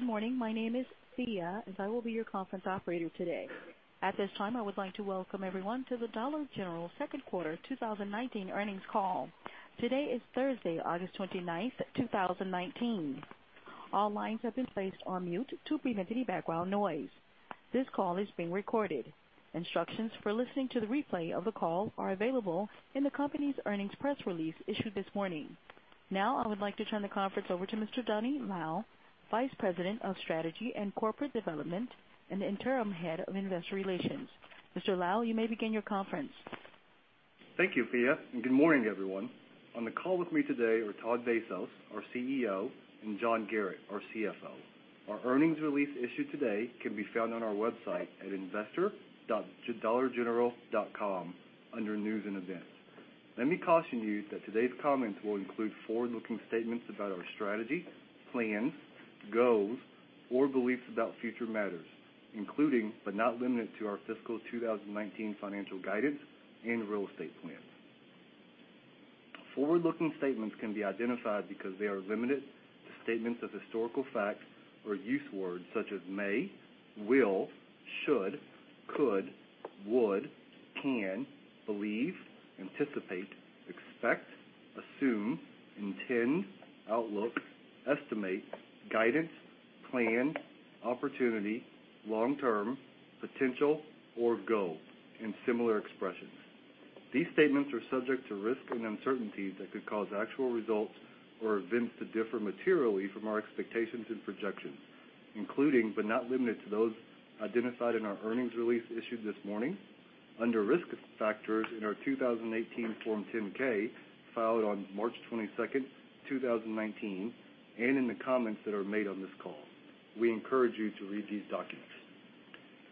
Good morning. My name is Thea, and I will be your conference operator today. At this time, I would like to welcome everyone to the Dollar General second quarter 2019 earnings call. Today is Thursday, August 29th, 2019. All lines have been placed on mute to prevent any background noise. This call is being recorded. Instructions for listening to the replay of the call are available in the company's earnings press release issued this morning. Now I would like to turn the conference over to Mr. Donny Lau, Vice President of Strategy and Corporate Development and the Interim Head of Investor Relations. Mr. Lau, you may begin your conference. Thank you, Thea, and good morning, everyone. On the call with me today are Todd Vasos, our CEO, and John Garratt, our CFO. Our earnings release issued today can be found on our website at investor.dollargeneral.com under News and Events. Let me caution you that today's comments will include forward-looking statements about our strategy, plans, goals, or beliefs about future matters, including but not limited to our fiscal 2019 financial guidance and real estate plans. Forward-looking statements can be identified because they are limited to statements of historical fact or use words such as may, will, should, could, would, can, believe, anticipate, expect, assume, intend, outlook, estimate, guidance, plan, opportunity, long-term, potential, or go, and similar expressions. These statements are subject to risks and uncertainties that could cause actual results or events to differ materially from our expectations and projections, including but not limited to, those identified in our earnings release issued this morning under Risk Factors in our 2018 Form 10-K filed on March 22nd, 2019, and in the comments that are made on this call. We encourage you to read these documents.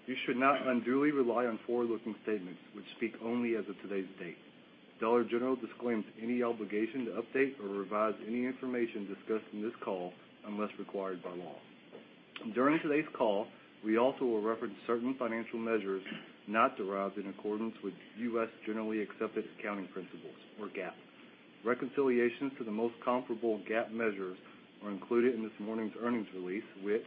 You should not unduly rely on forward-looking statements which speak only as of today's date. Dollar General disclaims any obligation to update or revise any information discussed on this call unless required by law. During today's call, we also will reference certain financial measures not derived in accordance with U.S. generally accepted accounting principles, or GAAP. Reconciliations to the most comparable GAAP measures are included in this morning's earnings release, which,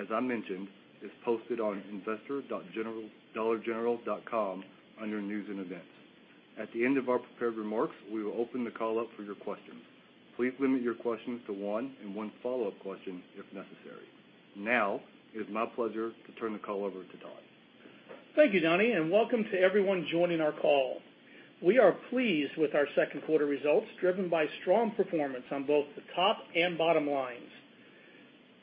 as I mentioned, is posted on investor.dollargeneral.com under News & Events. At the end of our prepared remarks, we will open the call up for your questions. Please limit your questions to one and one follow-up question if necessary. Now, it is my pleasure to turn the call over to Todd. Thank you, Donny, and welcome to everyone joining our call. We are pleased with our second quarter results, driven by strong performance on both the top and bottom lines.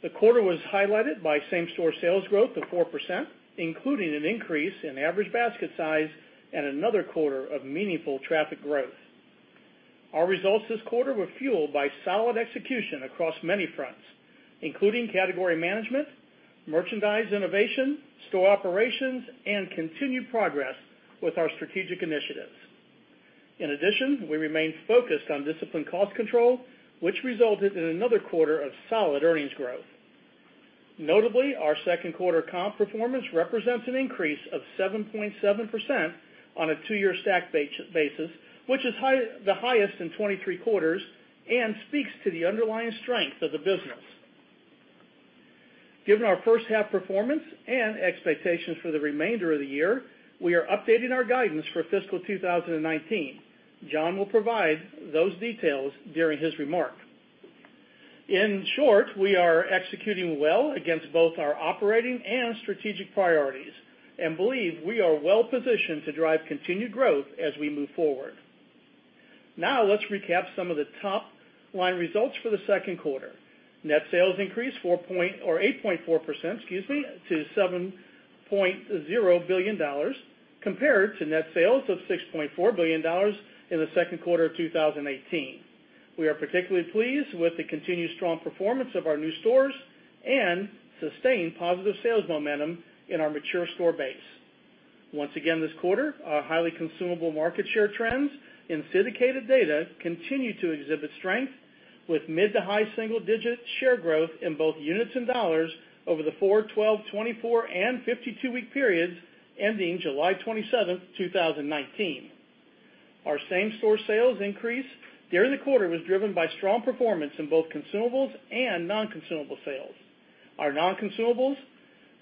The quarter was highlighted by same store sales growth of 4%, including an increase in average basket size and another quarter of meaningful traffic growth. Our results this quarter were fueled by solid execution across many fronts, including category management, merchandise innovation, store operations, and continued progress with our strategic initiatives. In addition, we remain focused on disciplined cost control, which resulted in another quarter of solid earnings growth. Notably, our second quarter comp performance represents an increase of 7.7% on a two-year stacked basis, which is the highest in 23 quarters and speaks to the underlying strength of the business. Given our first half performance and expectations for the remainder of the year, we are updating our guidance for fiscal 2019. John will provide those details during his remark. In short, we are executing well against both our operating and strategic priorities and believe we are well positioned to drive continued growth as we move forward. Now let's recap some of the top-line results for the second quarter. Net sales increased 8.4% to $7.0 billion, compared to net sales of $6.4 billion in the second quarter of 2018. We are particularly pleased with the continued strong performance of our new stores and sustained positive sales momentum in our mature store base. Once again this quarter, our highly consumable market share trends in syndicated data continue to exhibit strength with mid to high single-digit share growth in both units and dollars over the four, 12, 24, and 52-week periods ending July 27th, 2019. Our same store sales increase during the quarter was driven by strong performance in both consumables and non-consumable sales. Our non-consumables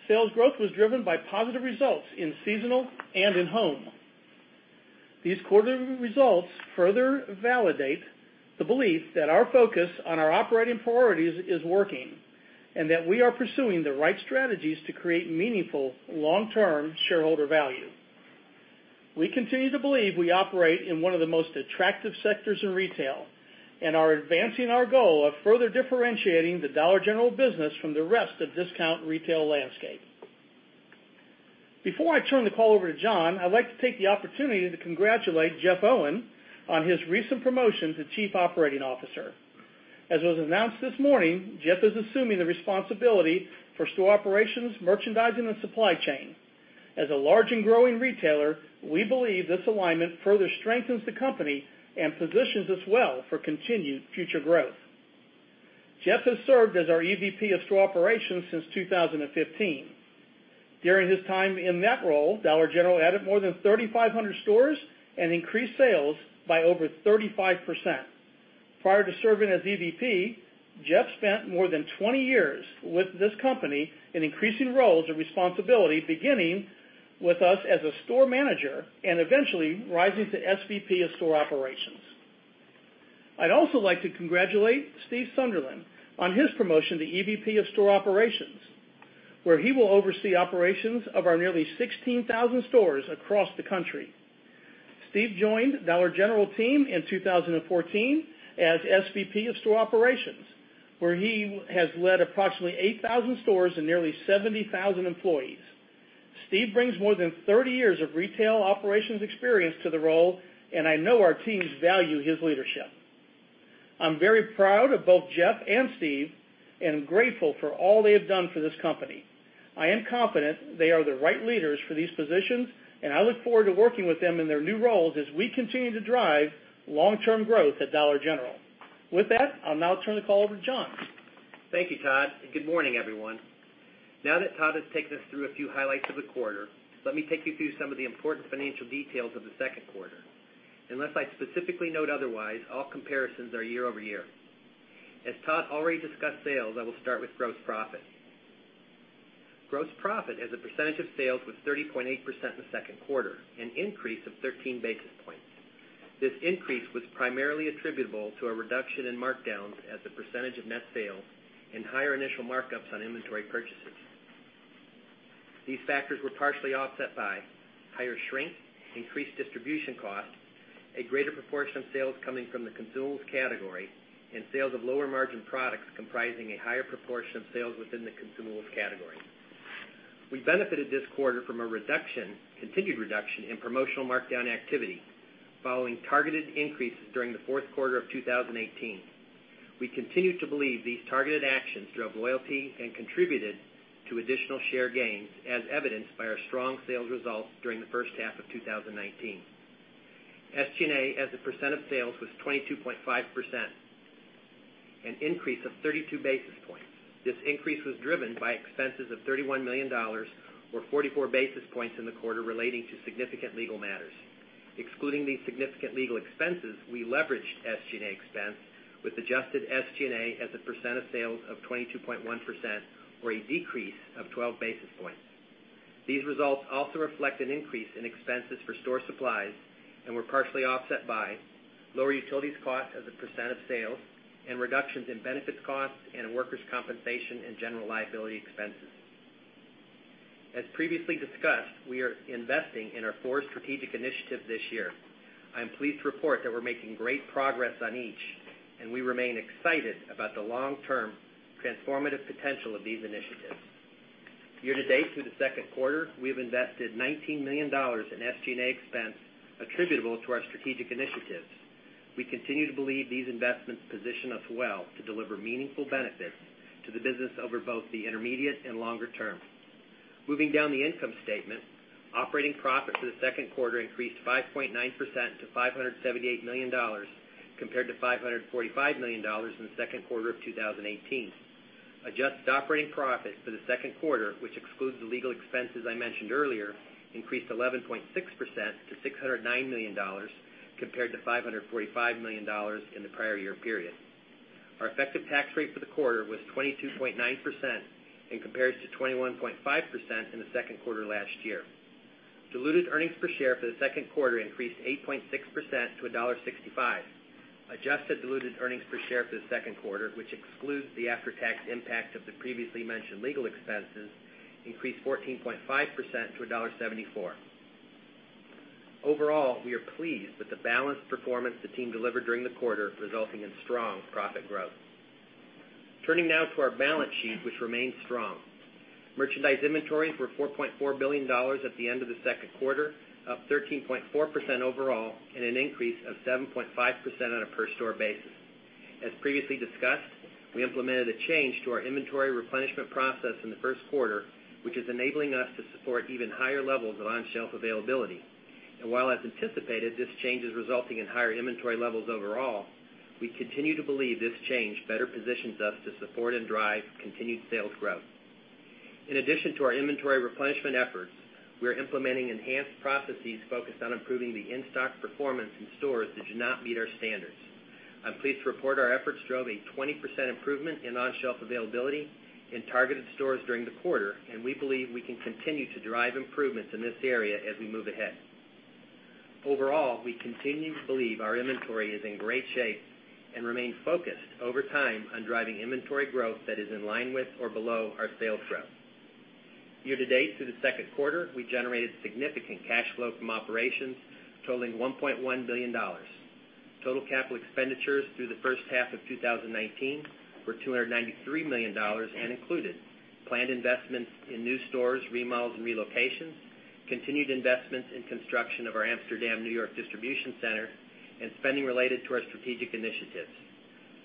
sales growth was driven by positive results in seasonal and in-home. These quarterly results further validate the belief that our focus on our operating priorities is working and that we are pursuing the right strategies to create meaningful long-term shareholder value. We continue to believe we operate in one of the most attractive sectors in retail and are advancing our goal of further differentiating the Dollar General business from the rest of discount retail landscape. Before I turn the call over to John, I'd like to take the opportunity to congratulate Jeff Owen on his recent promotion to Chief Operating Officer. As was announced this morning, Jeff is assuming the responsibility for store operations, merchandising, and supply chain. As a large and growing retailer, we believe this alignment further strengthens the company and positions us well for continued future growth. Jeff has served as our EVP of Store Operations since 2015. During his time in that role, Dollar General added more than 3,500 stores and increased sales by over 35%. Prior to serving as EVP, Jeff spent more than 20 years with this company in increasing roles of responsibility, beginning with us as a store manager and eventually rising to SVP of store operations. I'd also like to congratulate Steve Sunderland on his promotion to EVP of Store Operations, where he will oversee operations of our nearly 16,000 stores across the country. Steve joined Dollar General team in 2014 as SVP of Store Operations, where he has led approximately 8,000 stores and nearly 70,000 employees. Steve brings more than 30 years of retail operations experience to the role, and I know our teams value his leadership. I'm very proud of both Jeff and Steve and grateful for all they have done for this company. I am confident they are the right leaders for these positions, and I look forward to working with them in their new roles as we continue to drive long-term growth at Dollar General. With that, I'll now turn the call over to John. Thank you, Todd, and good morning, everyone. Now that Todd has taken us through a few highlights of the quarter, let me take you through some of the important financial details of the second quarter. Unless I specifically note otherwise, all comparisons are year-over-year. As Todd already discussed sales, I will start with gross profit. Gross profit as a percentage of sales was 30.8% in the second quarter, an increase of 13 basis points. This increase was primarily attributable to a reduction in markdowns as a percentage of net sales and higher initial markups on inventory purchases. These factors were partially offset by higher shrink, increased distribution costs, a greater proportion of sales coming from the consumables category, and sales of lower-margin products comprising a higher proportion of sales within the consumables category. We benefited this quarter from a continued reduction in promotional markdown activity following targeted increases during the fourth quarter of 2018. We continue to believe these targeted actions drove loyalty and contributed to additional share gains, as evidenced by our strong sales results during the first half of 2019. SG&A as a percent of sales was 22.5%, an increase of 32 basis points. This increase was driven by expenses of $31 million, or 44 basis points in the quarter relating to significant legal matters. Excluding these significant legal expenses, we leveraged SG&A expense with adjusted SG&A as a percent of sales of 22.1%, or a decrease of 12 basis points. These results also reflect an increase in expenses for store supplies and were partially offset by lower utilities cost as a percent of sales and reductions in benefits costs and workers' compensation and general liability expenses. As previously discussed, we are investing in our four strategic initiatives this year. I'm pleased to report that we're making great progress on each, and we remain excited about the long-term transformative potential of these initiatives. Year-to-date through the second quarter, we have invested $19 million in SG&A expense attributable to our strategic initiatives. We continue to believe these investments position us well to deliver meaningful benefits to the business over both the intermediate and longer term. Moving down the income statement, operating profit for the second quarter increased 5.9% to $578 million, compared to $545 million in the second quarter of 2018. Adjusted operating profit for the second quarter, which excludes the legal expenses I mentioned earlier, increased 11.6% to $609 million, compared to $545 million in the prior year period. Our effective tax rate for the quarter was 22.9% and compares to 21.5% in the second quarter last year. Diluted earnings per share for the second quarter increased 8.6% to $1.65. Adjusted diluted earnings per share for the second quarter, which excludes the after-tax impact of the previously mentioned legal expenses, increased 14.5% to $1.74. Overall, we are pleased with the balanced performance the team delivered during the quarter, resulting in strong profit growth. Turning now to our balance sheet, which remains strong. Merchandise inventories were $4.4 billion at the end of the second quarter, up 13.4% overall and an increase of 7.5% on a per-store basis. As previously discussed, we implemented a change to our inventory replenishment process in the first quarter, which is enabling us to support even higher levels of on-shelf availability. While as anticipated, this change is resulting in higher inventory levels overall, we continue to believe this change better positions us to support and drive continued sales growth. In addition to our inventory replenishment efforts, we are implementing enhanced processes focused on improving the in-stock performance in stores that do not meet our standards. I'm pleased to report our efforts drove a 20% improvement in on-shelf availability in targeted stores during the quarter, and we believe we can continue to drive improvements in this area as we move ahead. Overall, we continue to believe our inventory is in great shape and remain focused over time on driving inventory growth that is in line with or below our sales growth. Year-to-date through the second quarter, we generated significant cash flow from operations totaling $1.1 billion. Total capital expenditures through the first half of 2019 were $293 million and included planned investments in new stores, remodels, and relocations, continued investments in construction of our Amsterdam, N.Y., distribution center, and spending related to our strategic initiatives.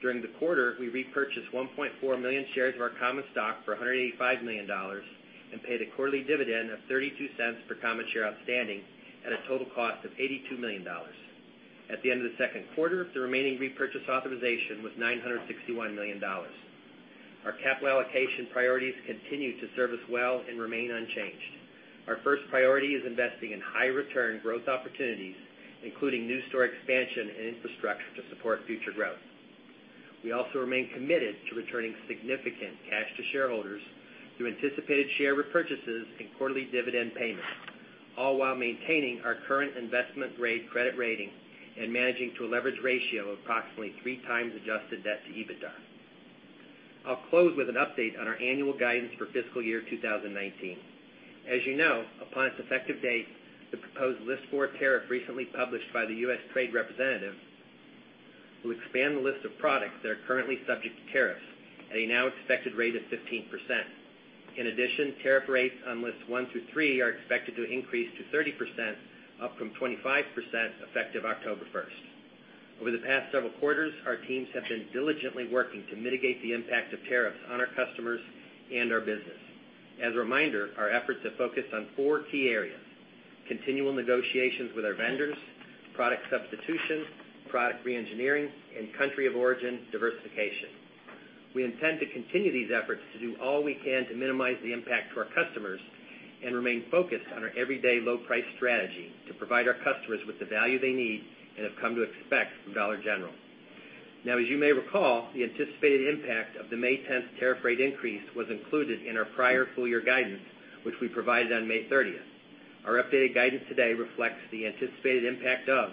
During the quarter, we repurchased 1.4 million shares of our common stock for $185 million and paid a quarterly dividend of $0.32 per common share outstanding at a total cost of $82 million. At the end of the second quarter, the remaining repurchase authorization was $961 million. Our capital allocation priorities continue to serve us well and remain unchanged. Our first priority is investing in high return growth opportunities, including new store expansion and infrastructure to support future growth. We also remain committed to returning significant cash to shareholders through anticipated share repurchases and quarterly dividend payments, all while maintaining our current investment-grade credit rating and managing to a leverage ratio of approximately three times adjusted debt to EBITDA. I'll close with an update on our annual guidance for FY 2019. As you know, upon its effective date, the proposed List 4 tariff recently published by the U.S. Trade Representative will expand the list of products that are currently subject to tariffs at a now expected rate of 15%. In addition, tariff rates on Lists 1 through 3 are expected to increase to 30%, up from 25% effective October 1st. Over the past several quarters, our teams have been diligently working to mitigate the impact of tariffs on our customers and our business. As a reminder, our efforts are focused on four key areas: continual negotiations with our vendors, product substitution, product re-engineering, and country of origin diversification. We intend to continue these efforts to do all we can to minimize the impact to our customers and remain focused on our everyday low price strategy to provide our customers with the value they need and have come to expect from Dollar General. Now, as you may recall, the anticipated impact of the May 10th tariff rate increase was included in our prior full year guidance, which we provided on May 30th. Our updated guidance today reflects the anticipated impact of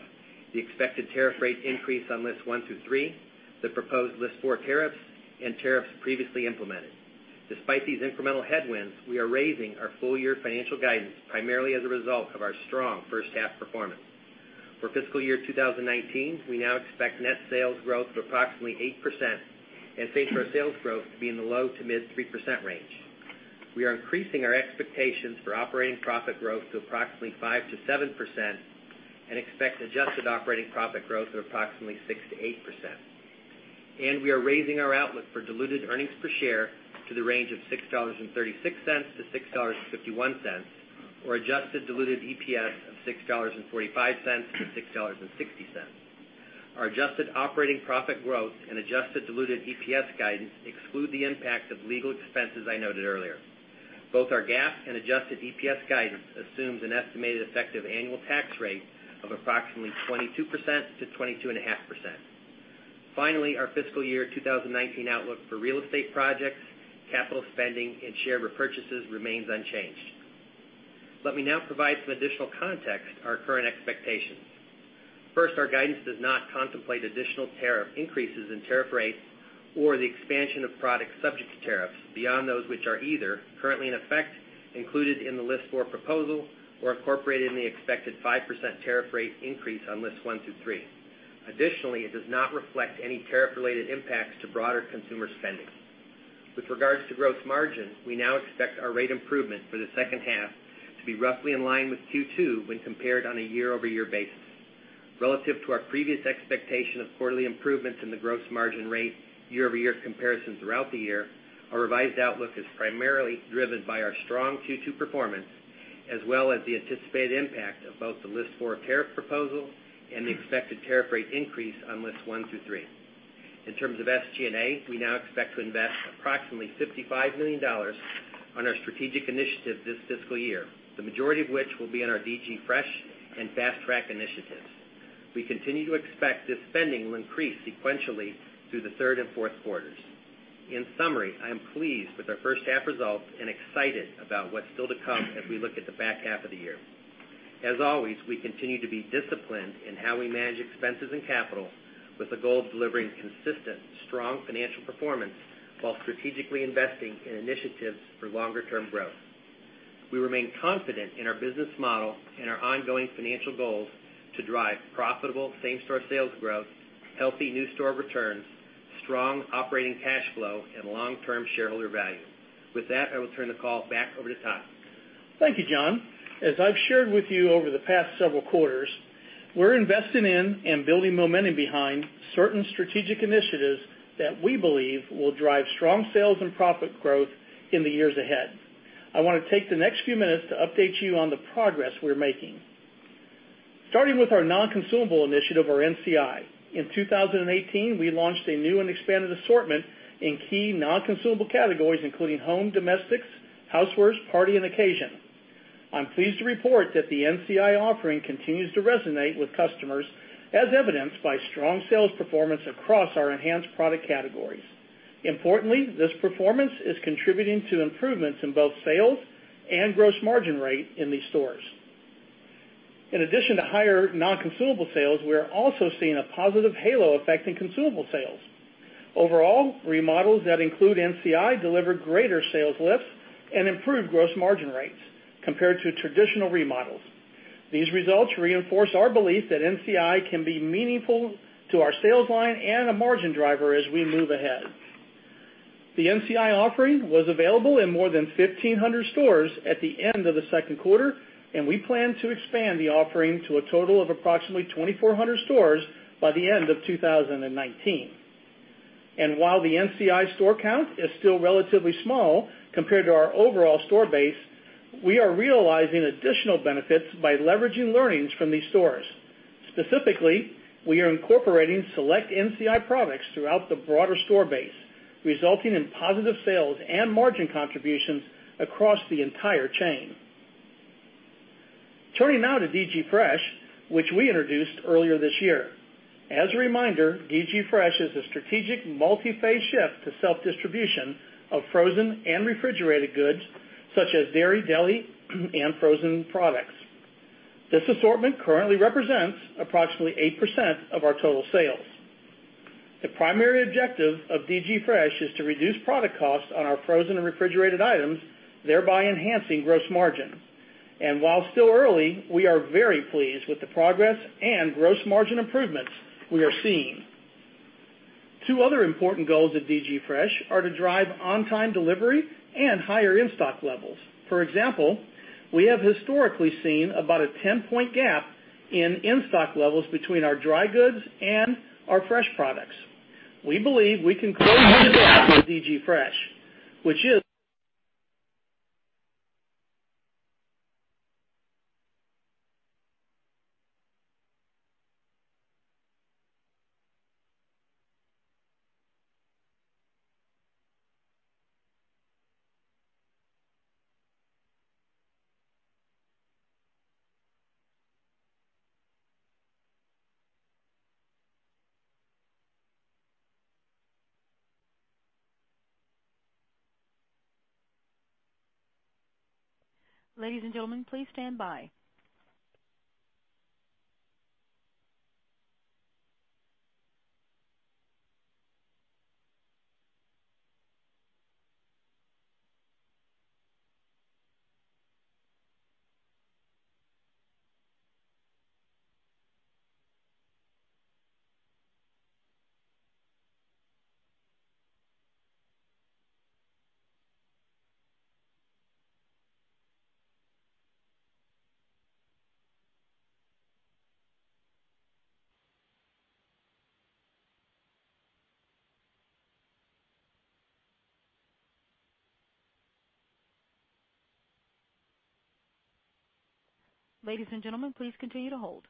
the expected tariff rate increase on Lists 1, 2, and 3, the proposed List 4 tariffs, and tariffs previously implemented. Despite these incremental headwinds, we are raising our full year financial guidance primarily as a result of our strong first half performance. For fiscal year 2019, we now expect net sales growth of approximately 8% and same-store sales growth to be in the low to mid 3% range. We are increasing our expectations for operating profit growth to approximately 5% to 7% and expect adjusted operating profit growth of approximately 6% to 8%. We are raising our outlook for diluted earnings per share to the range of $6.36 to $6.51, or adjusted diluted EPS of $6.45 to $6.60. Our adjusted operating profit growth and adjusted diluted EPS guidance exclude the impact of legal expenses I noted earlier. Both our GAAP and adjusted EPS guidance assumes an estimated effective annual tax rate of approximately 22% to 22.5%. Finally, our fiscal year 2019 outlook for real estate projects, capital spending, and share repurchases remains unchanged. Let me now provide some additional context to our current expectations. First, our guidance does not contemplate additional tariff increases in tariff rates or the expansion of products subject to tariffs beyond those which are either currently in effect, included in the List 4 proposal, or incorporated in the expected 5% tariff rate increase on Lists 1 through 3. It does not reflect any tariff-related impacts to broader consumer spending. With regards to gross margin, we now expect our rate improvement for the second half to be roughly in line with Q2 when compared on a year-over-year basis. Relative to our previous expectation of quarterly improvements in the gross margin rate year-over-year comparisons throughout the year, our revised outlook is primarily driven by our strong Q2 performance, as well as the anticipated impact of both the List 4 tariff proposal and the expected tariff rate increase on Lists 1 through 3. In terms of SG&A, we now expect to invest approximately $55 million on our strategic initiatives this fiscal year, the majority of which will be in our DG Fresh and Fast Track initiatives. We continue to expect this spending will increase sequentially through the third and fourth quarters. In summary, I am pleased with our first half results and excited about what's still to come as we look at the back half of the year. As always, we continue to be disciplined in how we manage expenses and capital with the goal of delivering consistent, strong financial performance while strategically investing in initiatives for longer term growth. We remain confident in our business model and our ongoing financial goals to drive profitable same-store sales growth, healthy new store returns, strong operating cash flow, and long-term shareholder value. With that, I will turn the call back over to Todd. Thank you, John. As I've shared with you over the past several quarters, we're investing in and building momentum behind certain strategic initiatives that we believe will drive strong sales and profit growth in the years ahead. I want to take the next few minutes to update you on the progress we're making. Starting with our Non-Consumable Initiative, or NCI. In 2018, we launched a new and expanded assortment in key non-consumable categories, including home domestics, housewares, party, and occasion. I'm pleased to report that the NCI offering continues to resonate with customers, as evidenced by strong sales performance across our enhanced product categories. Importantly, this performance is contributing to improvements in both sales and gross margin rate in these stores. In addition to higher non-consumable sales, we are also seeing a positive halo effect in consumable sales. Overall, remodels that include NCI deliver greater sales lifts and improved gross margin rates compared to traditional remodels. These results reinforce our belief that NCI can be meaningful to our sales line and a margin driver as we move ahead. The NCI offering was available in more than 1,500 stores at the end of the second quarter, and we plan to expand the offering to a total of approximately 2,400 stores by the end of 2019. While the NCI store count is still relatively small compared to our overall store base, we are realizing additional benefits by leveraging learnings from these stores. Specifically, we are incorporating select NCI products throughout the broader store base, resulting in positive sales and margin contributions across the entire chain. Turning now to DG Fresh, which we introduced earlier this year. As a reminder, DG Fresh is a strategic multi-phase shift to self-distribution of frozen and refrigerated goods such as dairy, deli, and frozen products. This assortment currently represents approximately 8% of our total sales. The primary objective of DG Fresh is to reduce product costs on our frozen and refrigerated items, thereby enhancing gross margin. While still early, we are very pleased with the progress and gross margin improvements we are seeing. Two other important goals of DG Fresh are to drive on-time delivery and higher in-stock levels. For example, we have historically seen about a 10-point gap in in-stock levels between our dry goods and our fresh products. We believe we can close the gap with DG Fresh. Ladies and gentlemen, please stand by. Ladies and gentlemen, please continue to hold.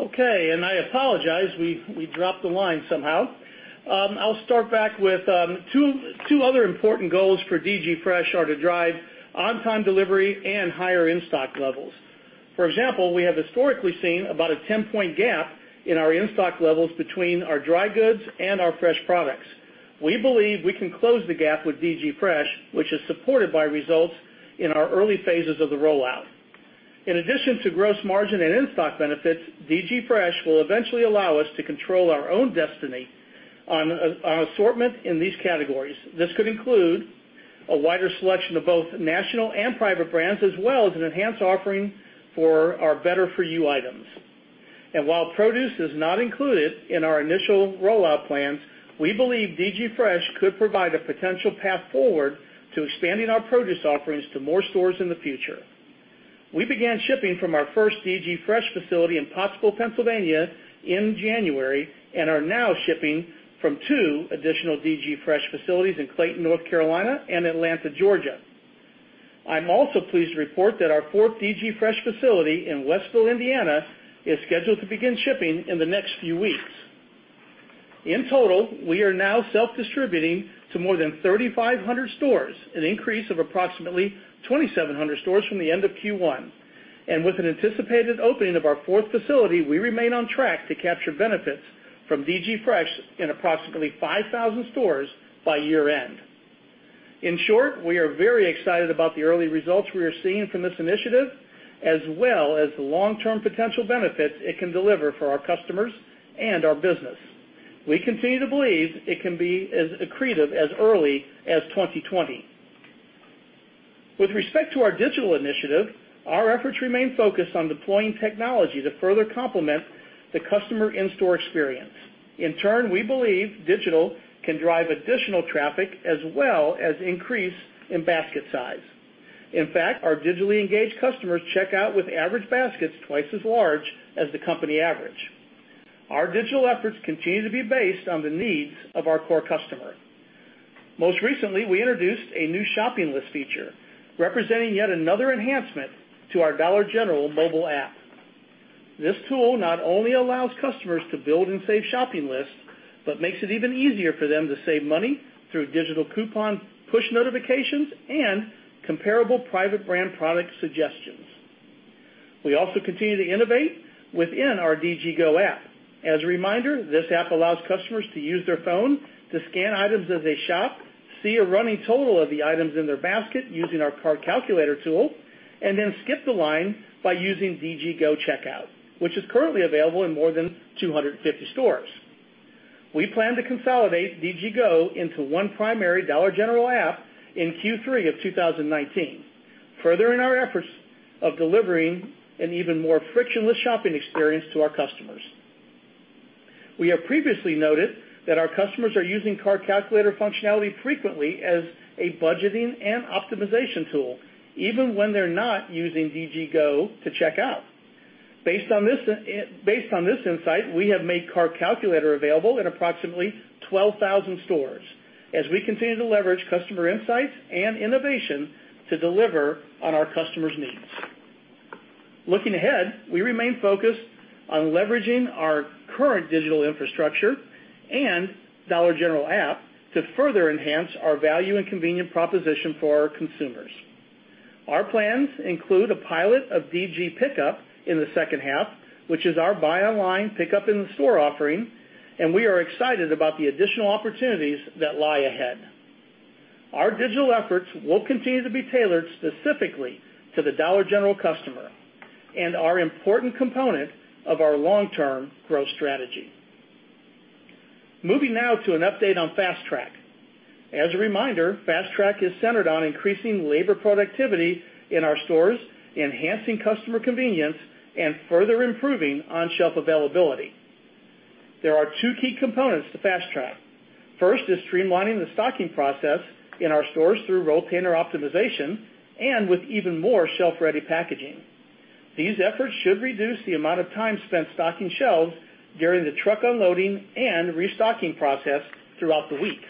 Okay. I apologize, we dropped the line somehow. I'll start back with two other important goals for DG Fresh are to drive on-time delivery and higher in-stock levels. For example, we have historically seen about a 10-point gap in our in-stock levels between our dry goods and our fresh products. We believe we can close the gap with DG Fresh, which is supported by results in our early phases of the rollout. In addition to gross margin and in-stock benefits, DG Fresh will eventually allow us to control our own destiny on assortment in these categories. This could include a wider selection of both national and private brands, as well as an enhanced offering for our Better For You items. While produce is not included in our initial rollout plans, we believe DG Fresh could provide a potential path forward to expanding our produce offerings to more stores in the future. We began shipping from our first DG Fresh facility in Pottsville, Pennsylvania, in January, and are now shipping from two additional DG Fresh facilities in Clayton, North Carolina, and Atlanta, Georgia. I'm also pleased to report that our fourth DG Fresh facility in Westville, Indiana, is scheduled to begin shipping in the next few weeks. In total, we are now self-distributing to more than 3,500 stores, an increase of approximately 2,700 stores from the end of Q1. With an anticipated opening of our fourth facility, we remain on track to capture benefits from DG Fresh in approximately 5,000 stores by year-end. In short, we are very excited about the early results we are seeing from this initiative, as well as the long-term potential benefits it can deliver for our customers and our business. We continue to believe it can be as accretive as early as 2020. With respect to our digital initiative, our efforts remain focused on deploying technology to further complement the customer in-store experience. In turn, we believe digital can drive additional traffic as well as increase in basket size. In fact, our digitally engaged customers check out with average baskets twice as large as the company average. Our digital efforts continue to be based on the needs of our core customer. Most recently, we introduced a new shopping list feature, representing yet another enhancement to our Dollar General mobile app. This tool not only allows customers to build and save shopping lists, but makes it even easier for them to save money through digital coupon push notifications and comparable private brand product suggestions. We also continue to innovate within our DG Go app. As a reminder, this app allows customers to use their phone to scan items as they shop, see a running total of the items in their basket using our cart calculator tool, and then skip the line by using DG Go checkout, which is currently available in more than 250 stores. We plan to consolidate DG Go into one primary Dollar General app in Q3 of 2019, furthering our efforts of delivering an even more frictionless shopping experience to our customers. We have previously noted that our customers are using cart calculator functionality frequently as a budgeting and optimization tool, even when they're not using DG Go to check out. Based on this insight, we have made cart calculator available in approximately 12,000 stores as we continue to leverage customer insights and innovation to deliver on our customers' needs. Looking ahead, we remain focused on leveraging our current digital infrastructure and Dollar General app to further enhance our value and convenient proposition for our consumers. Our plans include a pilot of DG Pickup in the second half, which is our buy online, pickup in store offering, and we are excited about the additional opportunities that lie ahead. Our digital efforts will continue to be tailored specifically to the Dollar General customer and are an important component of our long-term growth strategy. Moving now to an update on Fast Track. As a reminder, Fast Track is centered on increasing labor productivity in our stores, enhancing customer convenience, and further improving on-shelf availability. There are two key components to Fast Track. First is streamlining the stocking process in our stores through rolltainer optimization and with even more shelf-ready packaging. These efforts should reduce the amount of time spent stocking shelves during the truck unloading and restocking process throughout the week.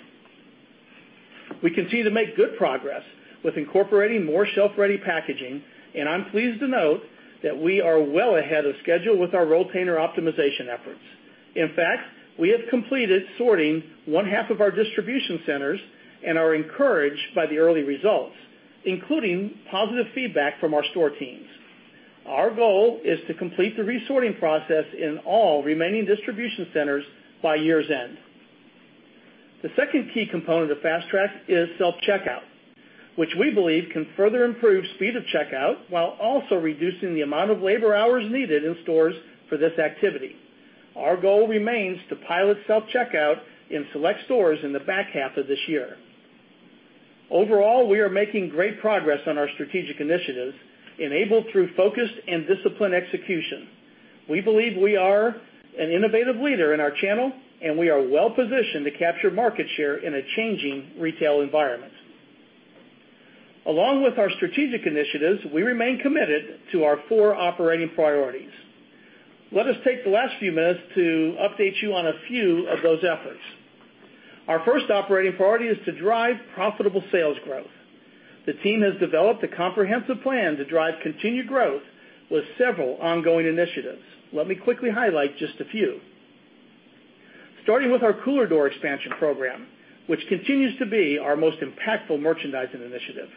We continue to make good progress with incorporating more shelf-ready packaging, and I'm pleased to note that we are well ahead of schedule with our rolltainer optimization efforts. In fact, we have completed sorting one half of our distribution centers and are encouraged by the early results, including positive feedback from our store teams. Our goal is to complete the resorting process in all remaining distribution centers by year's end. The second key component of Fast Track is self-checkout, which we believe can further improve speed of checkout while also reducing the amount of labor hours needed in stores for this activity. Our goal remains to pilot self-checkout in select stores in the back half of this year. Overall, we are making great progress on our strategic initiatives enabled through focused and disciplined execution. We believe we are an innovative leader in our channel, and we are well-positioned to capture market share in a changing retail environment. Along with our strategic initiatives, we remain committed to our four operating priorities. Let us take the last few minutes to update you on a few of those efforts. Our first operating priority is to drive profitable sales growth. The team has developed a comprehensive plan to drive continued growth with several ongoing initiatives. Let me quickly highlight just a few. Starting with our Cooler Door Expansion Program, which continues to be our most impactful merchandising initiative.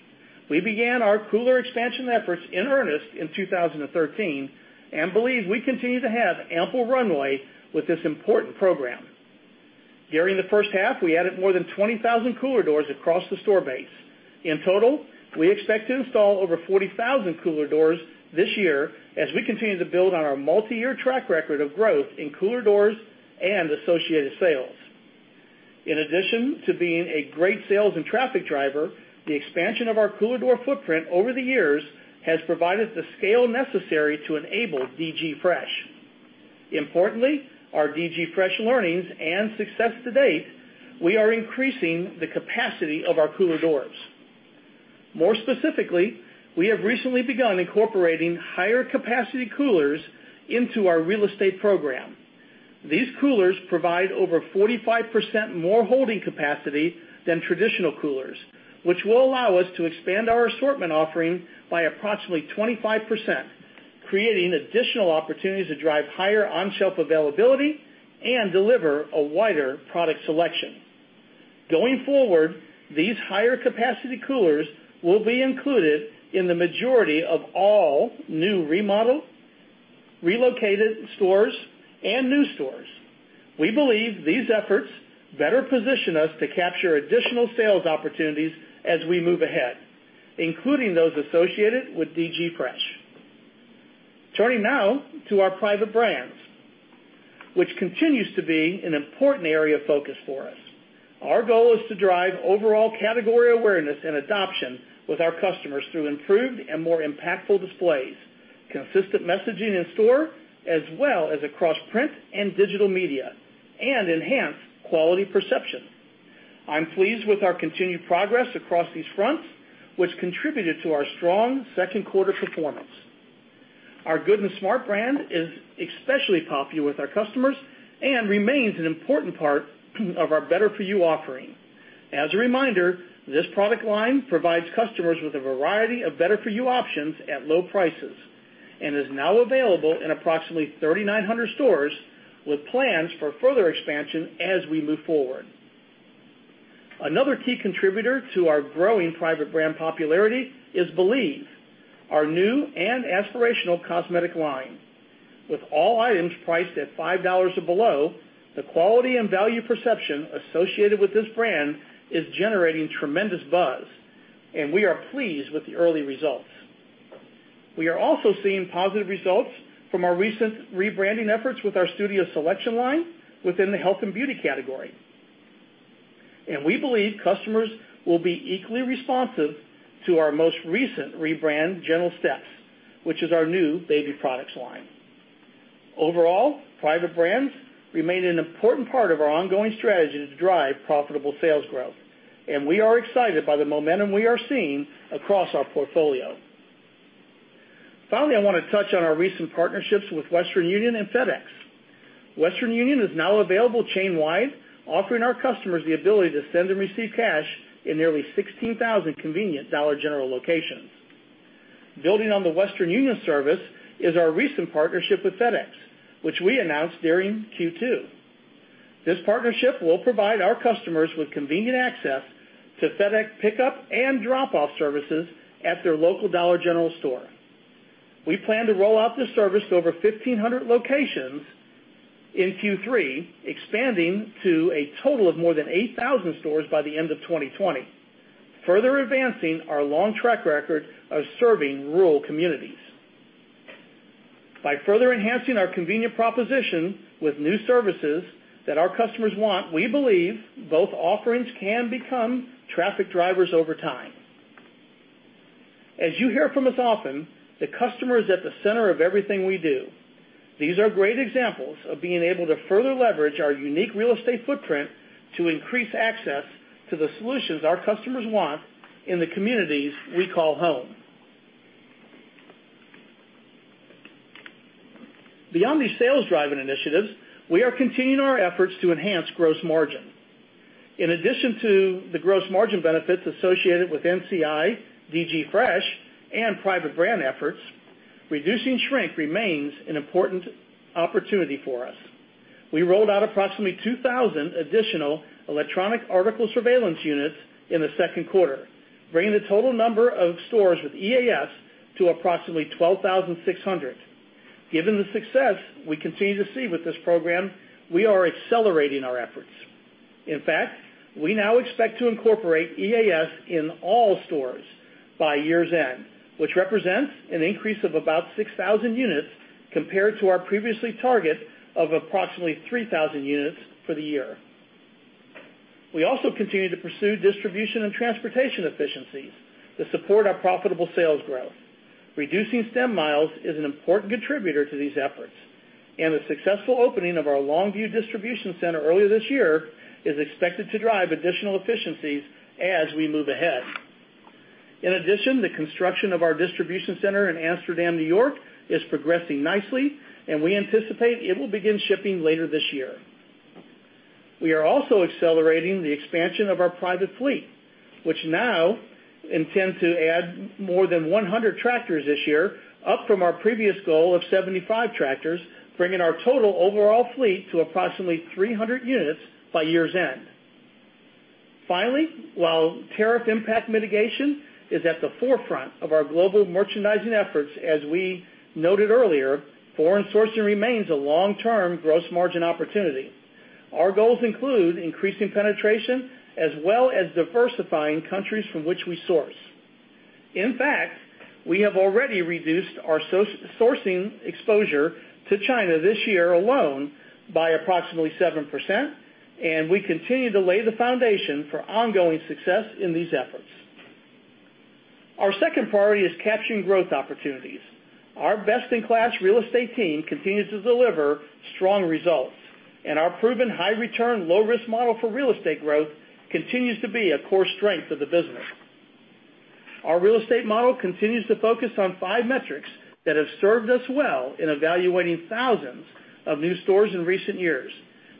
We began our cooler expansion efforts in earnest in 2013 and believe we continue to have ample runway with this important program. During the first half, we added more than 20,000 cooler doors across the store base. In total, we expect to install over 40,000 cooler doors this year as we continue to build on our multi-year track record of growth in cooler doors and associated sales. In addition to being a great sales and traffic driver, the expansion of our cooler door footprint over the years has provided the scale necessary to enable DG Fresh. Importantly, our DG Fresh learnings and success to date, we are increasing the capacity of our cooler doors. More specifically, we have recently begun incorporating higher-capacity coolers into our real estate program. These coolers provide over 45% more holding capacity than traditional coolers, which will allow us to expand our assortment offering by approximately 25%, creating additional opportunities to drive higher on-shelf availability and deliver a wider product selection. Going forward, these higher-capacity coolers will be included in the majority of all new remodeled, relocated stores and new stores. We believe these efforts better position us to capture additional sales opportunities as we move ahead, including those associated with DG Fresh. Turning now to our private brands, which continues to be an important area of focus for us. Our goal is to drive overall category awareness and adoption with our customers through improved and more impactful displays, consistent messaging in store, as well as across print and digital media, and enhance quality perception. I'm pleased with our continued progress across these fronts, which contributed to our strong second quarter performance. Our Good & Smart brand is especially popular with our customers and remains an important part of our Better For You offering. As a reminder, this product line provides customers with a variety of Better For You options at low prices and is now available in approximately 3,900 stores, with plans for further expansion as we move forward. Another key contributor to our growing private brand popularity is Believe, our new and aspirational cosmetic line. With all items priced at $5 or below, the quality and value perception associated with this brand is generating tremendous buzz, we are pleased with the early results. We are also seeing positive results from our recent rebranding efforts with our Studio Selection line within the health and beauty category. We believe customers will be equally responsive to our most recent rebrand, Gentle Steps, which is our new baby products line. Overall, private brands remain an important part of our ongoing strategy to drive profitable sales growth, we are excited by the momentum we are seeing across our portfolio. Finally, I want to touch on our recent partnerships with Western Union and FedEx. Western Union is now available chain-wide, offering our customers the ability to send and receive cash in nearly 16,000 convenient Dollar General locations. Building on the Western Union service is our recent partnership with FedEx, which we announced during Q2. This partnership will provide our customers with convenient access to FedEx pickup and drop-off services at their local Dollar General store. We plan to roll out this service to over 1,500 locations in Q3, expanding to a total of more than 8,000 stores by the end of 2020, further advancing our long track record of serving rural communities. By further enhancing our convenient proposition with new services that our customers want, we believe both offerings can become traffic drivers over time. As you hear from us often, the customer is at the center of everything we do. These are great examples of being able to further leverage our unique real estate footprint to increase access to the solutions our customers want in the communities we call home. Beyond these sales-driving initiatives, we are continuing our efforts to enhance gross margin. In addition to the gross margin benefits associated with NCI, DG Fresh, and private brand efforts, reducing shrink remains an important opportunity for us. We rolled out approximately 2,000 additional electronic article surveillance units in the second quarter, bringing the total number of stores with EAS to approximately 12,600. Given the success we continue to see with this program, we are accelerating our efforts. In fact, we now expect to incorporate EAS in all stores by year's end, which represents an increase of about 6,000 units compared to our previous target of approximately 3,000 units for the year. We also continue to pursue distribution and transportation efficiencies to support our profitable sales growth. Reducing stem miles is an important contributor to these efforts. The successful opening of our Longview distribution center earlier this year is expected to drive additional efficiencies as we move ahead. In addition, the construction of our distribution center in Amsterdam, New York, is progressing nicely, and we anticipate it will begin shipping later this year. We are also accelerating the expansion of our private fleet, which now intend to add more than 100 tractors this year, up from our previous goal of 75 tractors, bringing our total overall fleet to approximately 300 units by year's end. Finally, while tariff impact mitigation is at the forefront of our global merchandising efforts, as we noted earlier, foreign sourcing remains a long-term gross margin opportunity. Our goals include increasing penetration as well as diversifying countries from which we source. In fact, we have already reduced our sourcing exposure to China this year alone by approximately 7%, and we continue to lay the foundation for ongoing success in these efforts. Our second priority is capturing growth opportunities. Our best-in-class real estate team continues to deliver strong results, and our proven high-return, low-risk model for real estate growth continues to be a core strength of the business. Our real estate model continues to focus on five metrics that have served us well in evaluating thousands of new stores in recent years.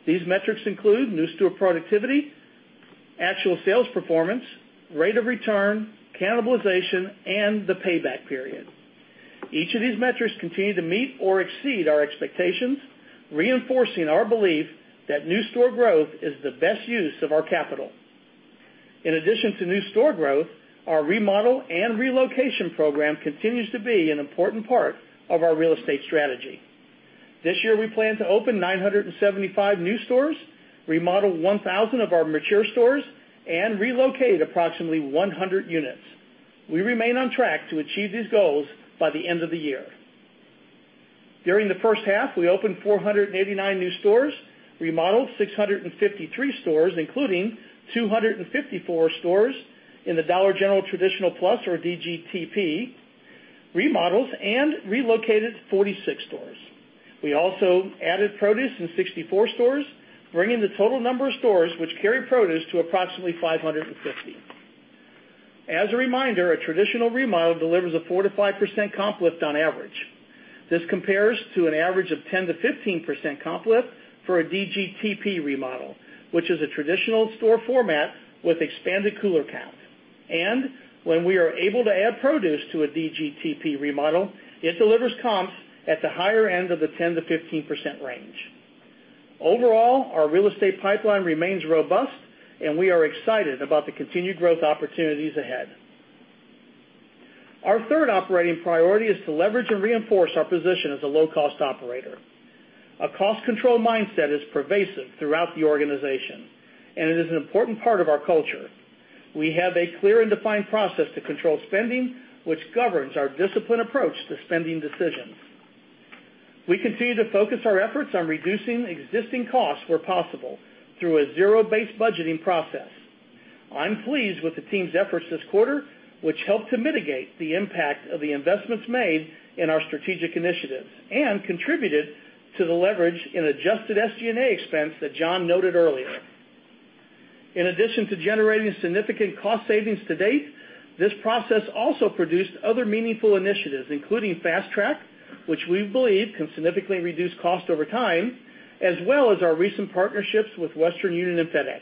These metrics include new store productivity, actual sales performance, rate of return, cannibalization, and the payback period. Each of these metrics continue to meet or exceed our expectations, reinforcing our belief that new store growth is the best use of our capital. In addition to new store growth, our remodel and relocation program continues to be an important part of our real estate strategy. This year, we plan to open 975 new stores, remodel 1,000 of our mature stores, and relocate approximately 100 units. We remain on track to achieve these goals by the end of the year. During the first half, we opened 489 new stores, remodeled 653 stores, including 254 stores in the Dollar General Traditional Plus or DGTP remodels, and relocated 46 stores. We also added produce in 64 stores, bringing the total number of stores which carry produce to approximately 550. As a reminder, a traditional remodel delivers a 4%-5% comp lift on average. This compares to an average of 10%-15% comp lift for a DGTP remodel, which is a traditional store format with expanded cooler count. When we are able to add produce to a DGTP remodel, it delivers comps at the higher end of the 10%-15% range. Overall, our real estate pipeline remains robust, and we are excited about the continued growth opportunities ahead. Our third operating priority is to leverage and reinforce our position as a low-cost operator. A cost-control mindset is pervasive throughout the organization, and it is an important part of our culture. We have a clear and defined process to control spending, which governs our disciplined approach to spending decisions. We continue to focus our efforts on reducing existing costs where possible through a zero-based budgeting process. I'm pleased with the team's efforts this quarter, which helped to mitigate the impact of the investments made in our strategic initiatives and contributed to the leverage in adjusted SG&A expense that John noted earlier. In addition to generating significant cost savings to date, this process also produced other meaningful initiatives, including Fast Track, which we believe can significantly reduce cost over time, as well as our recent partnerships with Western Union and FedEx,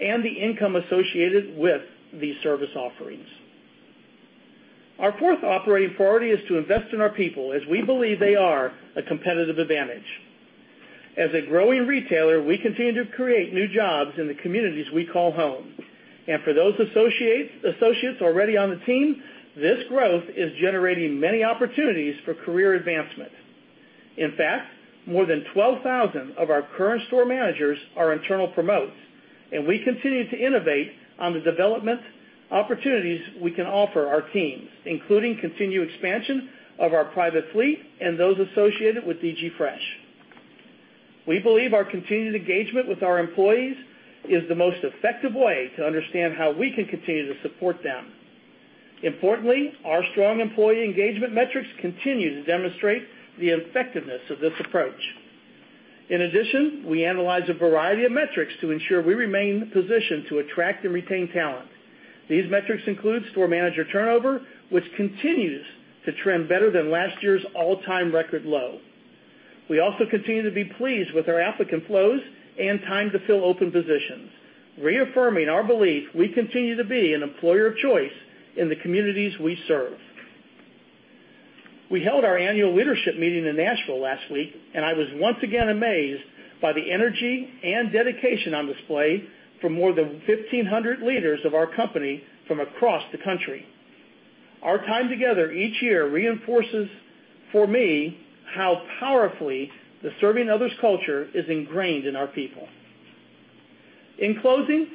and the income associated with these service offerings. For those associates already on the team, this growth is generating many opportunities for career advancement. In fact, more than 12,000 of our current store managers are internal promotes, and we continue to innovate on the development opportunities we can offer our teams, including continued expansion of our private fleet and those associated with DG Fresh. We believe our continued engagement with our employees is the most effective way to understand how we can continue to support them. Importantly, our strong employee engagement metrics continue to demonstrate the effectiveness of this approach. In addition, we analyze a variety of metrics to ensure we remain positioned to attract and retain talent. These metrics include store manager turnover, which continues to trend better than last year's all-time record low. We also continue to be pleased with our applicant flows and time to fill open positions, reaffirming our belief we continue to be an employer of choice in the communities we serve. We held our annual leadership meeting in Nashville last week, and I was once again amazed by the energy and dedication on display from more than 1,500 leaders of our company from across the country. Our time together each year reinforces for me how powerfully the serving others culture is ingrained in our people. In closing,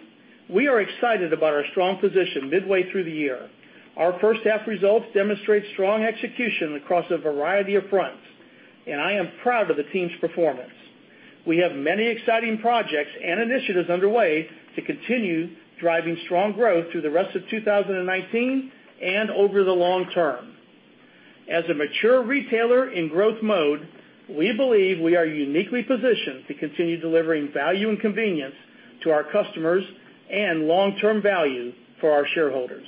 we are excited about our strong position midway through the year. Our first half results demonstrate strong execution across a variety of fronts, and I am proud of the team's performance. We have many exciting projects and initiatives underway to continue driving strong growth through the rest of 2019 and over the long term. As a mature retailer in growth mode, we believe we are uniquely positioned to continue delivering value and convenience to our customers and long-term value for our shareholders.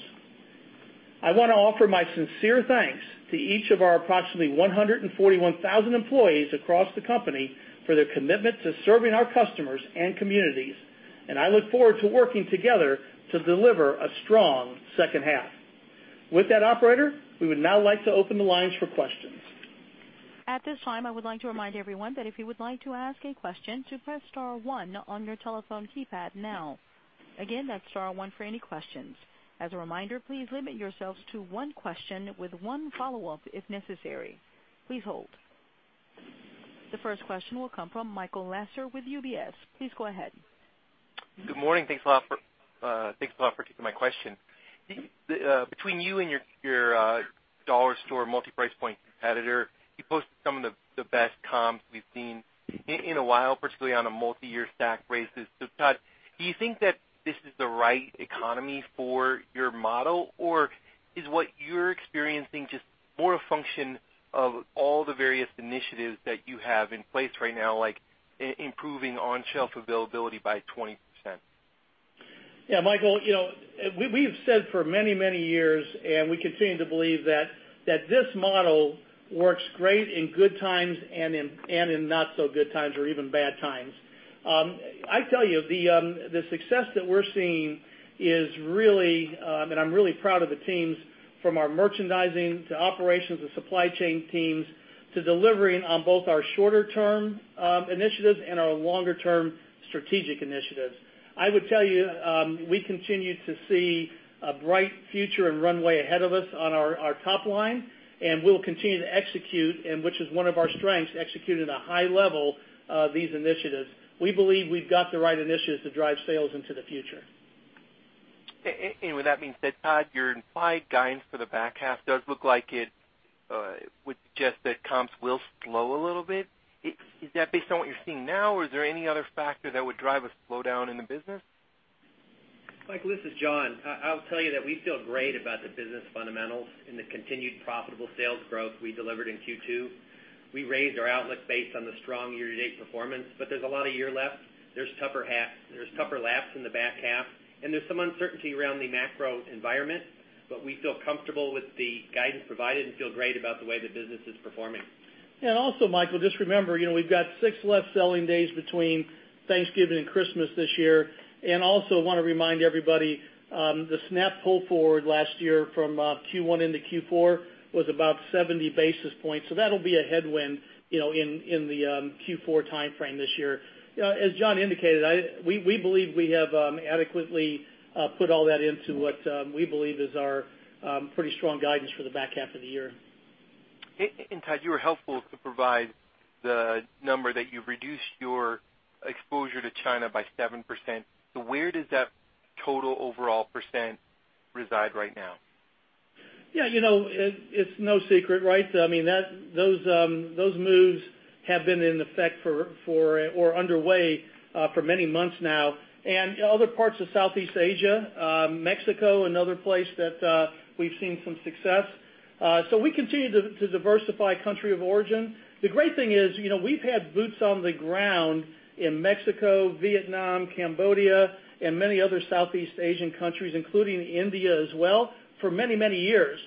I want to offer my sincere thanks to each of our approximately 141,000 employees across the company for their commitment to serving our customers and communities, and I look forward to working together to deliver a strong second half. With that, operator, we would now like to open the lines for questions. At this time, I would like to remind everyone that if you would like to ask a question, to press star one on your telephone keypad now. Again, that's star one for any questions. As a reminder, please limit yourselves to one question with one follow-up if necessary. Please hold. The first question will come from Michael Lasser with UBS. Please go ahead. Good morning. Thanks a lot for taking my question. Between you and your dollar store multi-price point competitor, you posted some of the best comps we've seen in a while, particularly on a multi-year stack basis. Todd, do you think that this is the right economy for your model, or is what you're experiencing just more a function of all the various initiatives that you have in place right now, like improving on-shelf availability by 20%? Yeah, Michael, we've said for many, many years, and we continue to believe that this model works great in good times and in not so good times or even bad times. I tell you, the success that we're seeing is really, and I'm really proud of the teams, from our merchandising to operations to supply chain teams, to delivering on both our shorter-term initiatives and our longer-term strategic initiatives. I would tell you, we continue to see a bright future and runway ahead of us on our top line, and we'll continue to execute, and which is one of our strengths, execute at a high level, these initiatives. We believe we've got the right initiatives to drive sales into the future. With that being said, Todd, your implied guidance for the back half does look like it would suggest that comps will slow a little bit. Is that based on what you're seeing now, or is there any other factor that would drive a slowdown in the business? Mike, this is John. I'll tell you that we feel great about the business fundamentals and the continued profitable sales growth we delivered in Q2. We raised our outlook based on the strong year-to-date performance, there's a lot of year left. There's tougher laps in the back half, and there's some uncertainty around the macro environment. We feel comfortable with the guidance provided and feel great about the way the business is performing. Also, Michael, just remember, we've got six left selling days between Thanksgiving and Christmas this year. Also want to remind everybody, the SNAP pull forward last year from Q1 into Q4 was about 70 basis points. That'll be a headwind in the Q4 timeframe this year. As John indicated, we believe we have adequately put all that into what we believe is our pretty strong guidance for the back half of the year. Todd, you were helpful to provide the number that you've reduced your exposure to China by 7%. Where does that total overall percent reside right now? Yeah. It's no secret, right? Those moves have been in effect for or underway for many months now. Other parts of Southeast Asia, Mexico, another place that we've seen some success. We continue to diversify country of origin. The great thing is we've had boots on the ground in Mexico, Vietnam, Cambodia, and many other Southeast Asian countries, including India as well, for many years.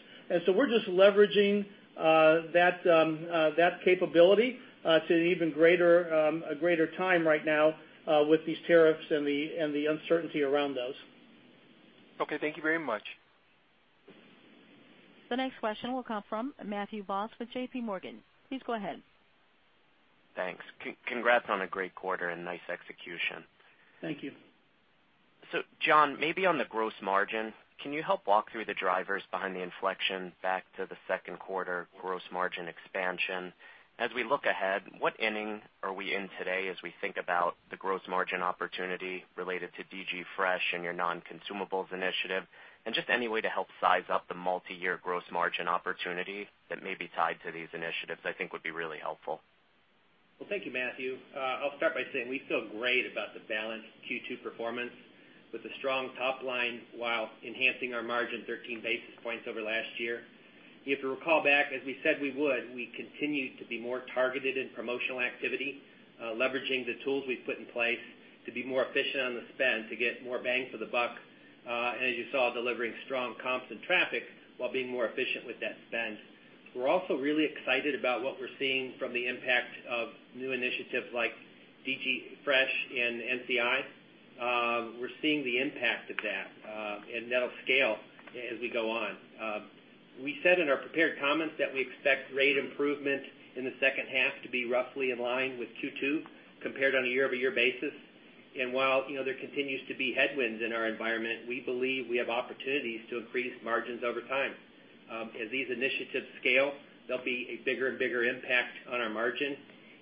We're just leveraging that capability to an even greater time right now with these tariffs and the uncertainty around those. Okay. Thank you very much. The next question will come from Matthew Boss with JPMorgan. Please go ahead. Thanks. Congrats on a great quarter and nice execution. Thank you. John, maybe on the gross margin, can you help walk through the drivers behind the inflection back to the second quarter gross margin expansion? We look ahead, what inning are we in today as we think about the gross margin opportunity related to DG Fresh and your non-consumables initiative? Just any way to help size up the multi-year gross margin opportunity that may be tied to these initiatives, I think would be really helpful. Well, thank you, Matthew. I'll start by saying we feel great about the balanced Q2 performance with a strong top line while enhancing our margin 13 basis points over last year. If you recall back, as we said we would, we continued to be more targeted in promotional activity, leveraging the tools we've put in place to be more efficient on the spend to get more bang for the buck. As you saw, delivering strong comps and traffic while being more efficient with that spend. We're also really excited about what we're seeing from the impact of new initiatives like DG Fresh and NCI. We're seeing the impact of that, and that'll scale as we go on. We said in our prepared comments that we expect great improvement in the second half to be roughly in line with Q2 compared on a year-over-year basis. While there continues to be headwinds in our environment, we believe we have opportunities to increase margins over time. As these initiatives scale, there will be a bigger and bigger impact on our margin,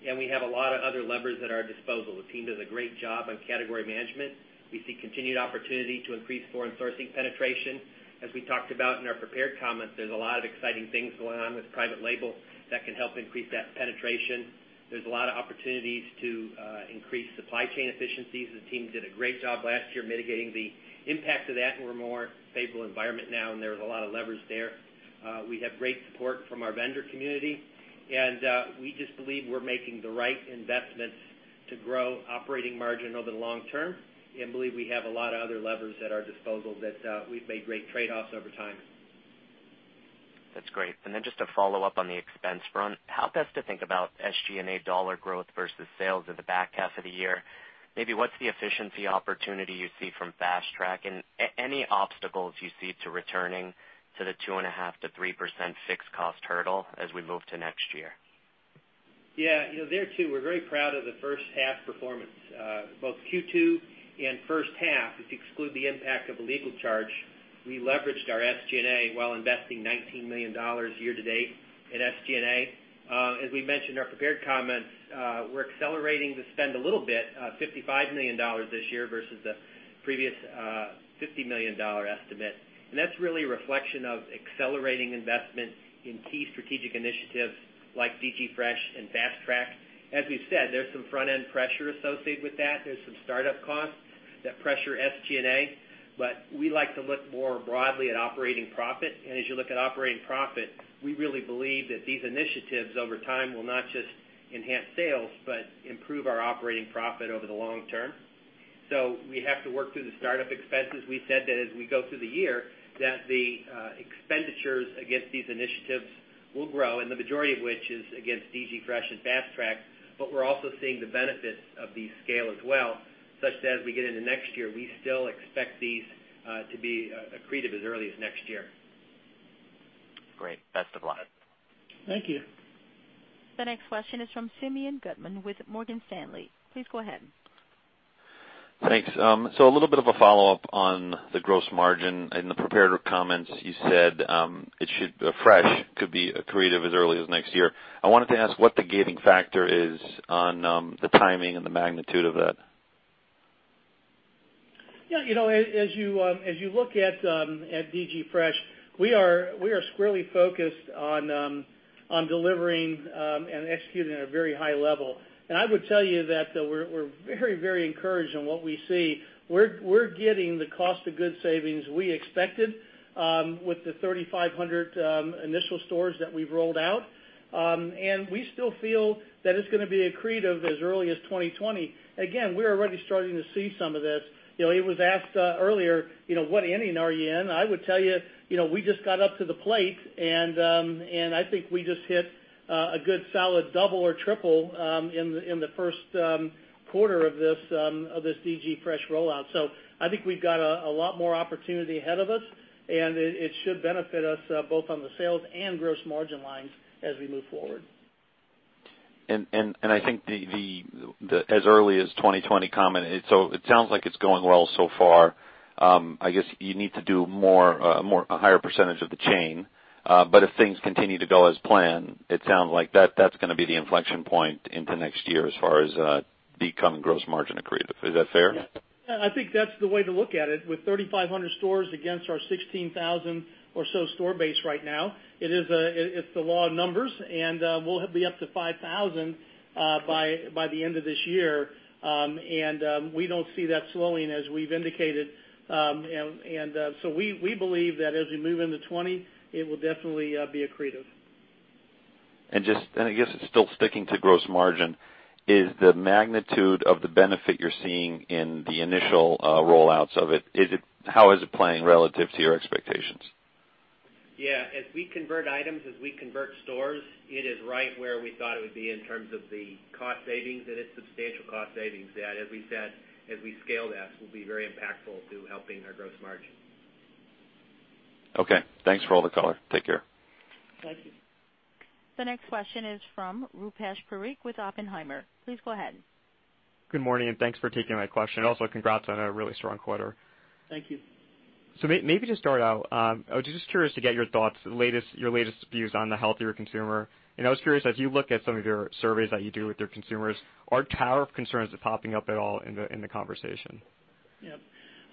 and we have a lot of other levers at our disposal. The team does a great job on category management. We see continued opportunity to increase foreign sourcing penetration. As we talked about in our prepared comments, there is a lot of exciting things going on with private label that can help increase that penetration. There is a lot of opportunities to increase supply chain efficiencies. The team did a great job last year mitigating the impact of that, and we are in a more favorable environment now, and there is a lot of levers there. We have great support from our vendor community. We just believe we're making the right investments to grow operating margin over the long term and believe we have a lot of other levers at our disposal that we've made great trade-offs over time. That's great. Then just to follow up on the expense front, how best to think about SG&A dollar growth versus sales in the back half of the year. Maybe what's the efficiency opportunity you see from Fast Track and any obstacles you see to returning to the 2.5%-3% fixed cost hurdle as we move to next year? There, too, we're very proud of the first half performance. Both Q2 and first half, if you exclude the impact of a legal charge, we leveraged our SG&A while investing $19 million year to date in SG&A. As we mentioned in our prepared comments, we're accelerating the spend a little bit, $55 million this year versus the previous $50 million estimate. That's really a reflection of accelerating investments in key strategic initiatives like DG Fresh and Fast Track. As we've said, there's some front-end pressure associated with that. There's some start-up costs that pressure SG&A, we like to look more broadly at operating profit. As you look at operating profit, we really believe that these initiatives over time will not just enhance sales, improve our operating profit over the long term. We have to work through the start-up expenses. We said that as we go through the year, that the expenditures against these initiatives will grow, and the majority of which is against DG Fresh and Fast Track, but we're also seeing the benefits of these scale as well, such that as we get into next year, we still expect these to be accretive as early as next year. Great. Best of luck. Thank you. The next question is from Simeon Gutman with Morgan Stanley. Please go ahead. Thanks. A little bit of a follow-up on the gross margin. In the prepared comments, you said Fresh could be accretive as early as next year. I wanted to ask what the gating factor is on the timing and the magnitude of that. Yeah. As you look at DG Fresh, we are squarely focused on delivering and executing at a very high level. I would tell you that we're very encouraged on what we see. We're getting the cost of goods savings we expected with the 3,500 initial stores that we've rolled out. We still feel that it's going to be accretive as early as 2020. Again, we're already starting to see some of this. It was asked earlier, what inning are you in? I would tell you, we just got up to the plate, and I think we just hit a good solid double or triple in the first quarter of this DG Fresh rollout. I think we've got a lot more opportunity ahead of us, and it should benefit us both on the sales and gross margin lines as we move forward. I think as early as 2020 comment, it sounds like it's going well so far. I guess you need to do a higher percentage of the chain. If things continue to go as planned, it sounds like that's going to be the inflection point into next year as far as becoming gross margin accretive. Is that fair? Yeah. I think that's the way to look at it. With 3,500 stores against our 16,000 or so store base right now, it's the law of numbers, and we'll be up to 5,000 by the end of this year. We don't see that slowing, as we've indicated. We believe that as we move into 2020, it will definitely be accretive. I guess it's still sticking to gross margin. Is the magnitude of the benefit you're seeing in the initial rollouts of it, how is it playing relative to your expectations? Yeah. As we convert items, as we convert stores, it is right where we thought it would be in terms of the cost savings. It's substantial cost savings, that as we said, as we scale this, will be very impactful to helping our gross margin. Okay. Thanks for all the color. Take care. Thank you. The next question is from Rupesh Parikh with Oppenheimer. Please go ahead. Good morning, and thanks for taking my question. Also, congrats on a really strong quarter. Thank you. Maybe to start out, I was just curious to get your thoughts, your latest views on the healthier consumer. I was curious, as you look at some of your surveys that you do with your consumers, are tariff concerns popping up at all in the conversation? Yeah.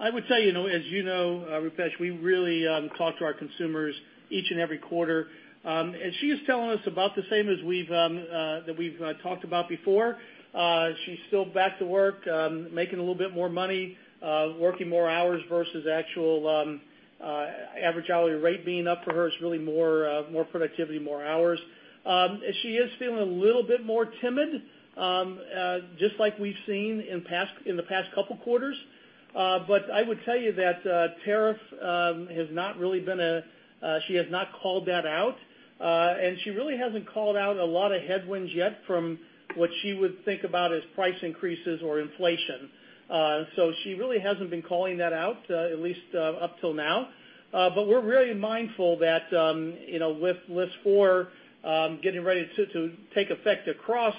I would tell you, as you know, Roopesh, we really talk to our consumers each and every quarter. She is telling us about the same as that we've talked about before. She's still back to work, making a little bit more money, working more hours versus actual average hourly rate being up for her. It's really more productivity, more hours. She is feeling a little bit more timid, just like we've seen in the past couple quarters. I would tell you that tariff, she has not called that out. She really hasn't called out a lot of headwinds yet from what she would think about as price increases or inflation. She really hasn't been calling that out, at least up till now. We're really mindful that with List 4 getting ready to take effect across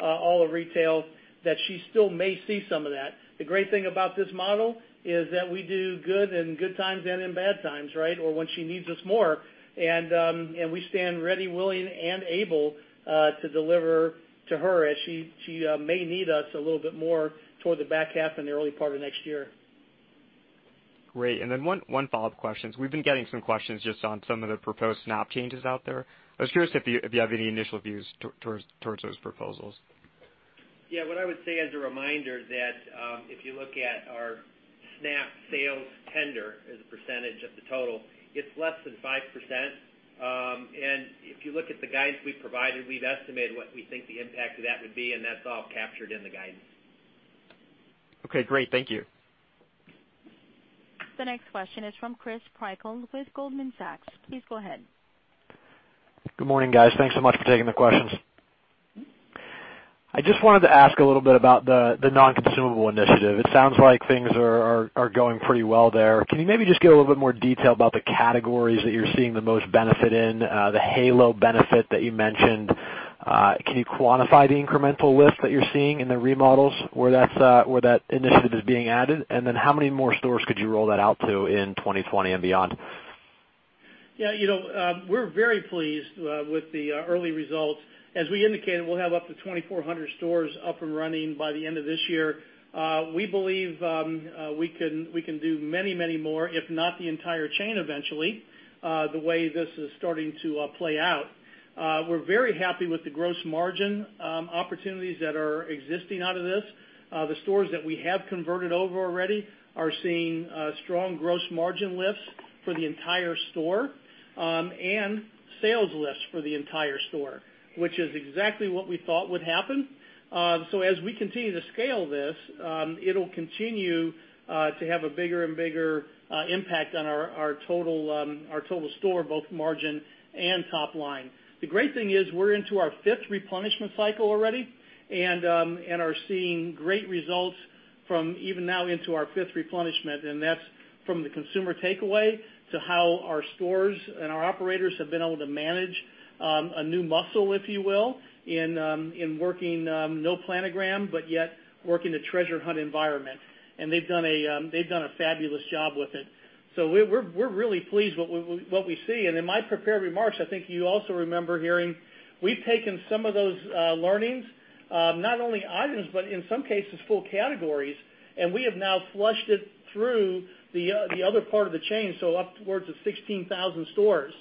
all of retail, that she still may see some of that. The great thing about this model is that we do good in good times and in bad times, or when she needs us more. We stand ready, willing, and able to deliver to her as she may need us a little bit more toward the back half and the early part of next year. Great. One follow-up question. We've been getting some questions just on some of the proposed SNAP changes out there. I was curious if you have any initial views towards those proposals. Yeah. What I would say as a reminder, that if you look at our SNAP sales tender as a percentage of the total, it's less than 5%. If you look at the guidance we've provided, we've estimated what we think the impact of that would be, and that's all captured in the guidance. Okay, great. Thank you. The next question is from Chris Prykull with Goldman Sachs. Please go ahead. Good morning, guys. Thanks so much for taking the questions. I just wanted to ask a little bit about the non-consumable initiative. It sounds like things are going pretty well there. Can you maybe just give a little bit more detail about the categories that you're seeing the most benefit in, the halo benefit that you mentioned? Can you quantify the incremental lift that you're seeing in the remodels where that initiative is being added? How many more stores could you roll that out to in 2020 and beyond? Yeah. We're very pleased with the early results. As we indicated, we'll have up to 2,400 stores up and running by the end of this year. We believe we can do many more, if not the entire chain eventually, the way this is starting to play out. We're very happy with the gross margin opportunities that are existing out of this. The stores that we have converted over already are seeing strong gross margin lifts for the entire store and sales lifts for the entire store, which is exactly what we thought would happen. As we continue to scale this, it'll continue to have a bigger and bigger impact on our total store, both margin and top line. The great thing is we're into our fifth replenishment cycle already and are seeing great results from even now into our fifth replenishment, that's from the consumer takeaway to how our stores and our operators have been able to manage a new muscle, if you will, in working no planogram, but yet working a treasure hunt environment. They've done a fabulous job with it. We're really pleased with what we see. In my prepared remarks, I think you also remember hearing, we've taken some of those learnings, not only items, but in some cases, full categories, and we have now flushed it through the other part of the chain, so upwards of 16,000 stores.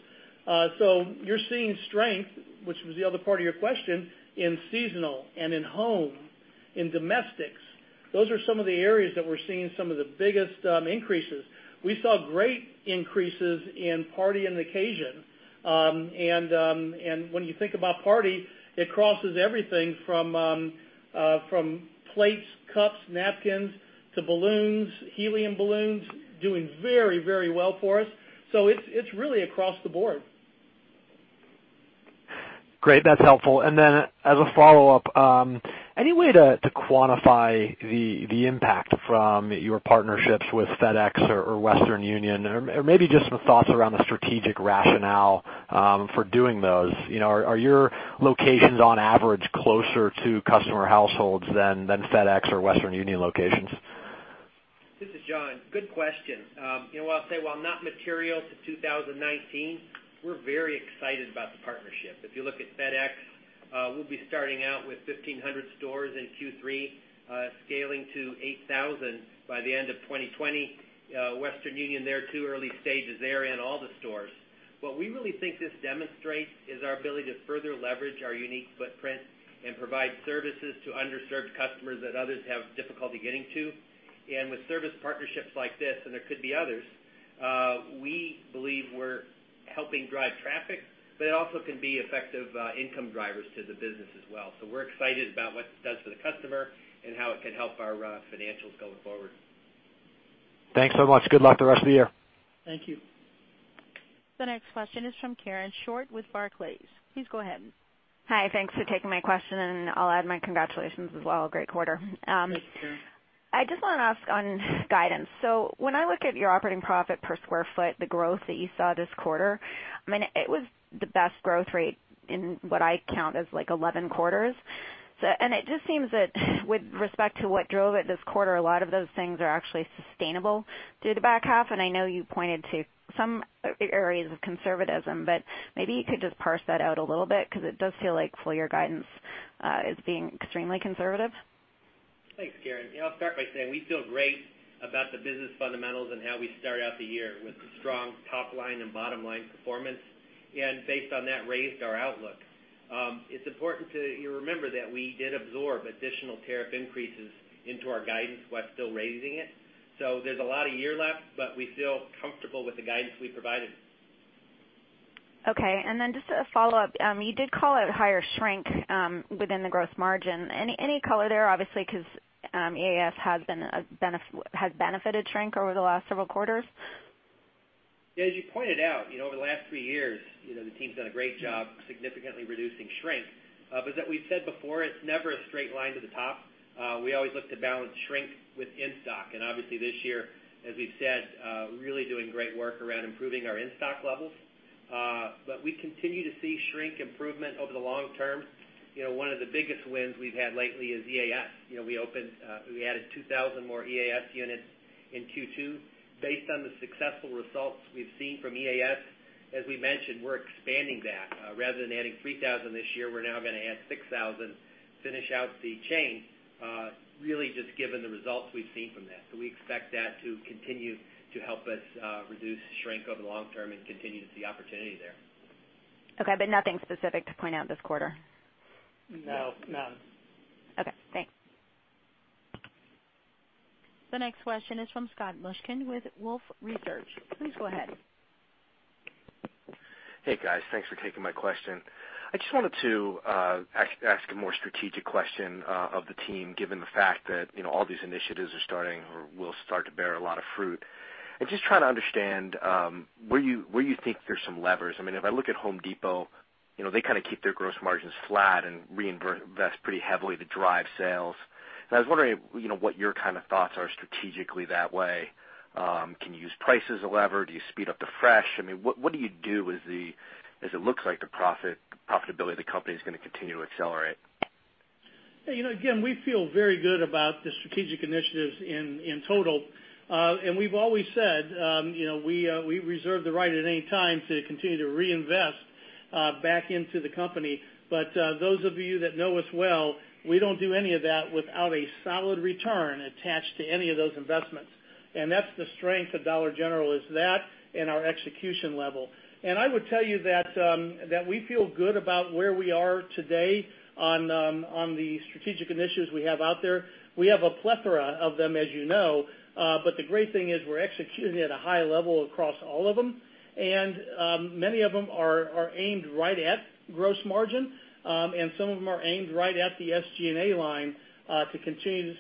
You're seeing strength, which was the other part of your question, in seasonal and in home, in domestics. Those are some of the areas that we're seeing some of the biggest increases. We saw great increases in party and occasion. When you think about party, it crosses everything from plates, cups, napkins, to balloons, helium balloons, doing very well for us. It's really across the board. Great. That's helpful. Then as a follow-up, any way to quantify the impact from your partnerships with FedEx or Western Union? Maybe just some thoughts around the strategic rationale for doing those. Are your locations, on average, closer to customer households than FedEx or Western Union locations? This is John. Good question. I'll say while not material to 2019, we're very excited about the partnership. If you look at FedEx, we'll be starting out with 1,500 stores in Q3, scaling to 8,000 by the end of 2020. Western Union, they're too early stages. They're in all the stores. What we really think this demonstrates is our ability to further leverage our unique footprint and provide services to underserved customers that others have difficulty getting to. With service partnerships like this, and there could be others, we believe we're helping drive traffic, but it also can be effective income drivers to the business as well. We're excited about what this does for the customer and how it can help our financials going forward. Thanks so much. Good luck the rest of the year. Thank you. The next question is from Karen Short with Barclays. Please go ahead. Hi. Thanks for taking my question, and I'll add my congratulations as well. Great quarter. Thanks, Karen. I just want to ask on guidance. When I look at your operating profit per square foot, the growth that you saw this quarter, it was the best growth rate in what I count as 11 quarters. It just seems that with respect to what drove it this quarter, a lot of those things are actually sustainable through the back half, and I know you pointed to some areas of conservatism, but maybe you could just parse that out a little bit because it does feel like full-year guidance is being extremely conservative. Thanks, Karen. I'll start by saying we feel great about the business fundamentals and how we started out the year with strong top-line and bottom-line performance, and based on that, raised our outlook. It's important to remember that we did absorb additional tariff increases into our guidance while still raising it. There's a lot of year left, but we feel comfortable with the guidance we provided. Okay, just a follow-up. You did call out higher shrink within the gross margin. Any color there, obviously, because EAS has benefited shrink over the last several quarters? As you pointed out, over the last three years, the team's done a great job significantly reducing shrink. As we've said before, it's never a straight line to the top. We always look to balance shrink with in-stock. Obviously, this year, as we've said, really doing great work around improving our in-stock levels. We continue to see shrink improvement over the long term. One of the biggest wins we've had lately is EAS. We added 2,000 more EAS units in Q2. Based on the successful results we've seen from EAS, as we mentioned, we're expanding that. Rather than adding 3,000 this year, we're now going to add 6,000, finish out the chain, really just given the results we've seen from that. We expect that to continue to help us reduce shrink over the long term and continue to see opportunity there. Okay, nothing specific to point out this quarter? No. No. Okay, thanks. The next question is from Scott Mushkin with Wolfe Research. Please go ahead. Hey, guys. Thanks for taking my question. I just wanted to ask a more strategic question of the team, given the fact that all these initiatives are starting or will start to bear a lot of fruit. Just trying to understand where you think there's some levers. If I look at The Home Depot, they kind of keep their gross margins flat and reinvest pretty heavily to drive sales. I was wondering what your thoughts are strategically that way. Can you use price as a lever? Do you speed up the Fresh? What do you do as it looks like the profitability of the company is going to continue to accelerate? Again, we feel very good about the strategic initiatives in total. We've always said, we reserve the right at any time to continue to reinvest back into the company. Those of you that know us well, we don't do any of that without a solid return attached to any of those investments. That's the strength of Dollar General, is that and our execution level. I would tell you that we feel good about where we are today on the strategic initiatives we have out there. We have a plethora of them, as you know. The great thing is we're executing at a high level across all of them, and many of them are aimed right at gross margin, and some of them are aimed right at the SG&A line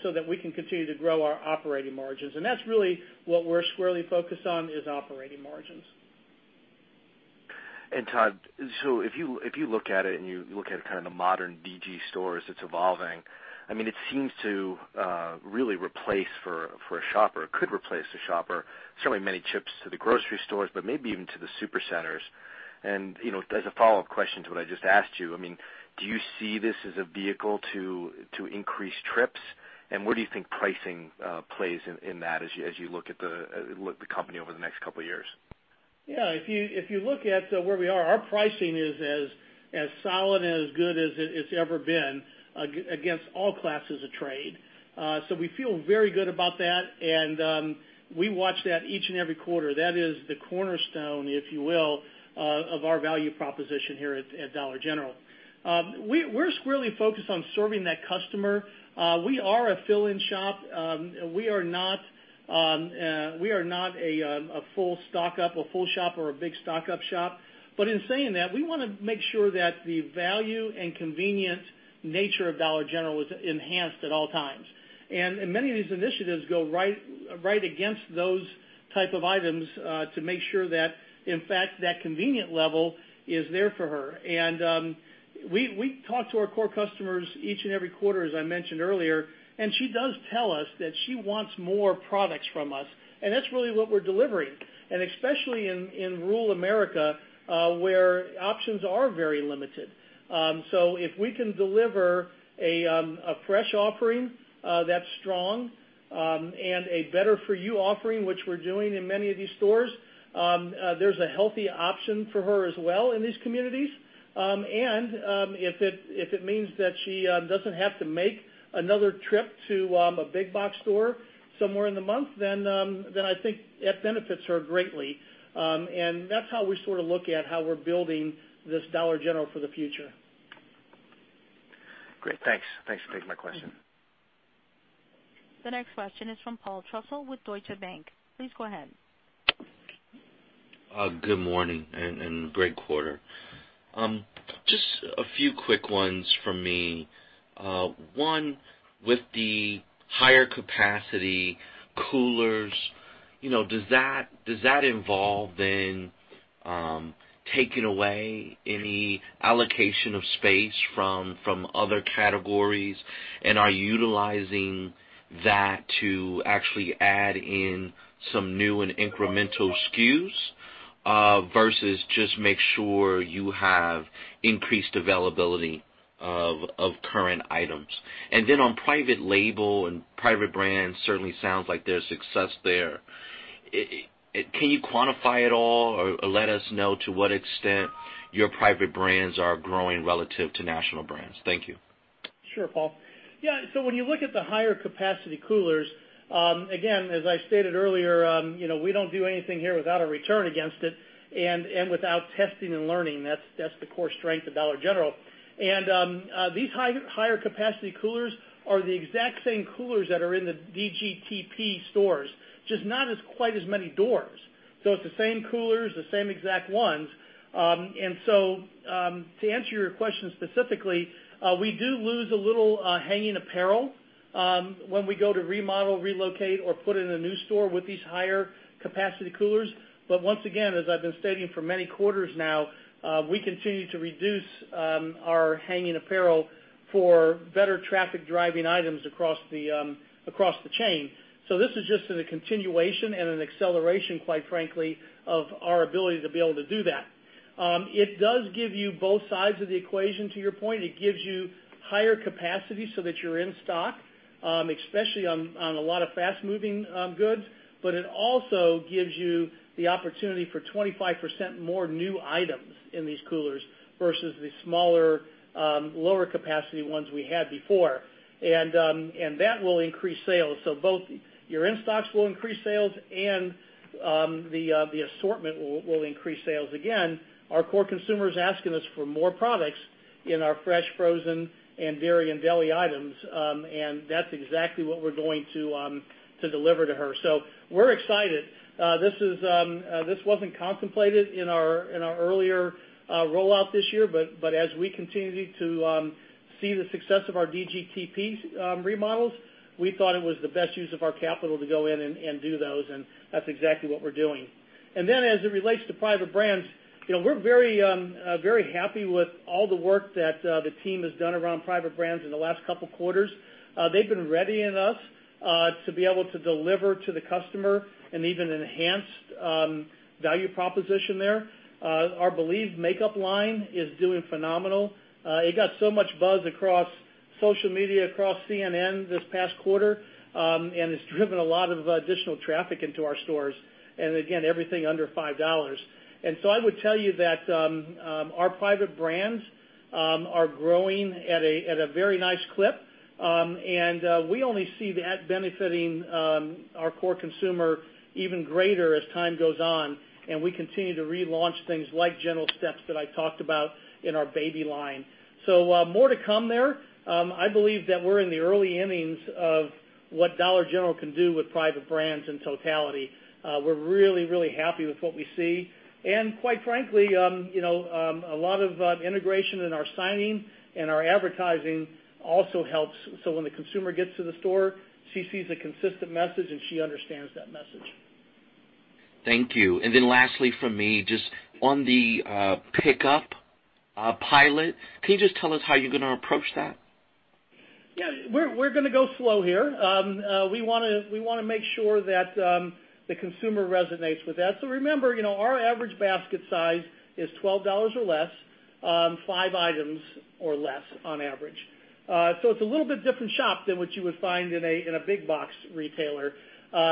so that we can continue to grow our operating margins. That's really what we're squarely focused on, is operating margins. Todd, if you look at it and you look at kind of the modern DG store as it's evolving, it seems to really replace for a shopper, could replace a shopper, certainly many trips to the grocery stores, but maybe even to the super centers. As a follow-up question to what I just asked you, do you see this as a vehicle to increase trips? Where do you think pricing plays in that as you look at the company over the next couple of years? Yeah, if you look at where we are, our pricing is as solid and as good as it's ever been against all classes of trade. We feel very good about that, and we watch that each and every quarter. That is the cornerstone, if you will, of our value proposition here at Dollar General. We're squarely focused on serving that customer. We are a fill-in shop. We are not a full stock-up, a full shop, or a big stock-up shop. In saying that, we want to make sure that the value and convenient nature of Dollar General is enhanced at all times. Many of these initiatives go right against those type of items to make sure that, in fact, that convenient level is there for her. We talk to our core customers each and every quarter, as I mentioned earlier, she does tell us that she wants more products from us, that's really what we're delivering, especially in rural America, where options are very limited. If we can deliver a fresh offering that's strong and a Better For You offering, which we're doing in many of these stores, there's a healthy option for her as well in these communities. If it means that she doesn't have to make another trip to a big box store somewhere in the month, I think that benefits her greatly. That's how we sort of look at how we're building this Dollar General for the future. Great. Thanks for taking my question. The next question is from Paul Trussell with Deutsche Bank. Please go ahead. Good morning. Great quarter. Just a few quick ones from me. One, with the higher capacity coolers, does that involve then taking away any allocation of space from other categories, and are you utilizing that to actually add in some new and incremental SKUs, versus just make sure you have increased availability of current items? On private label and private brands, certainly sounds like there's success there. Can you quantify at all or let us know to what extent your private brands are growing relative to national brands? Thank you. Sure, Paul. Yeah. When you look at the higher capacity coolers, again, as I stated earlier, we don't do anything here without a return against it and without testing and learning. That's the core strength of Dollar General. These higher capacity coolers are the exact same coolers that are in the DGTP stores, just not as quite as many doors. It's the same coolers, the same exact ones. To answer your question specifically, we do lose a little hanging apparel when we go to remodel, relocate, or put in a new store with these higher capacity coolers. Once again, as I've been stating for many quarters now, we continue to reduce our hanging apparel for better traffic-driving items across the chain. This is just a continuation and an acceleration, quite frankly, of our ability to be able to do that. It does give you both sides of the equation, to your point. It gives you higher capacity so that you're in stock, especially on a lot of fast-moving goods. It also gives you the opportunity for 25% more new items in these coolers versus the smaller, lower capacity ones we had before. That will increase sales. Both your in-stocks will increase sales and the assortment will increase sales. Again, our core consumer's asking us for more products in our fresh, frozen, and dairy and deli items, and that's exactly what we're going to deliver to her. We're excited. This wasn't contemplated in our earlier rollout this year, but as we continue to see the success of our DGTP remodels, we thought it was the best use of our capital to go in and do those, and that's exactly what we're doing. As it relates to private brands, we're very happy with all the work that the team has done around private brands in the last couple of quarters. They've been readying us to be able to deliver to the customer an even enhanced value proposition there. Our Believe makeup line is doing phenomenal. It got so much buzz across social media, across CNN this past quarter, and it's driven a lot of additional traffic into our stores. Again, everything under $5. I would tell you that our private brands are growing at a very nice clip. We only see that benefiting our core consumer even greater as time goes on, and we continue to relaunch things like Gentle Steps that I talked about in our baby line. More to come there. I believe that we're in the early innings of what Dollar General can do with private brands in totality. We're really, really happy with what we see. Quite frankly, a lot of integration in our signing and our advertising also helps. When the consumer gets to the store, she sees a consistent message, and she understands that message. Thank you. Lastly from me, just on the Pickup pilot, can you just tell us how you're going to approach that? Yeah. We're going to go slow here. We want to make sure that the consumer resonates with that. Remember, our average basket size is $12 or less, five items or less on average. It's a little bit different shop than what you would find in a big box retailer. Buy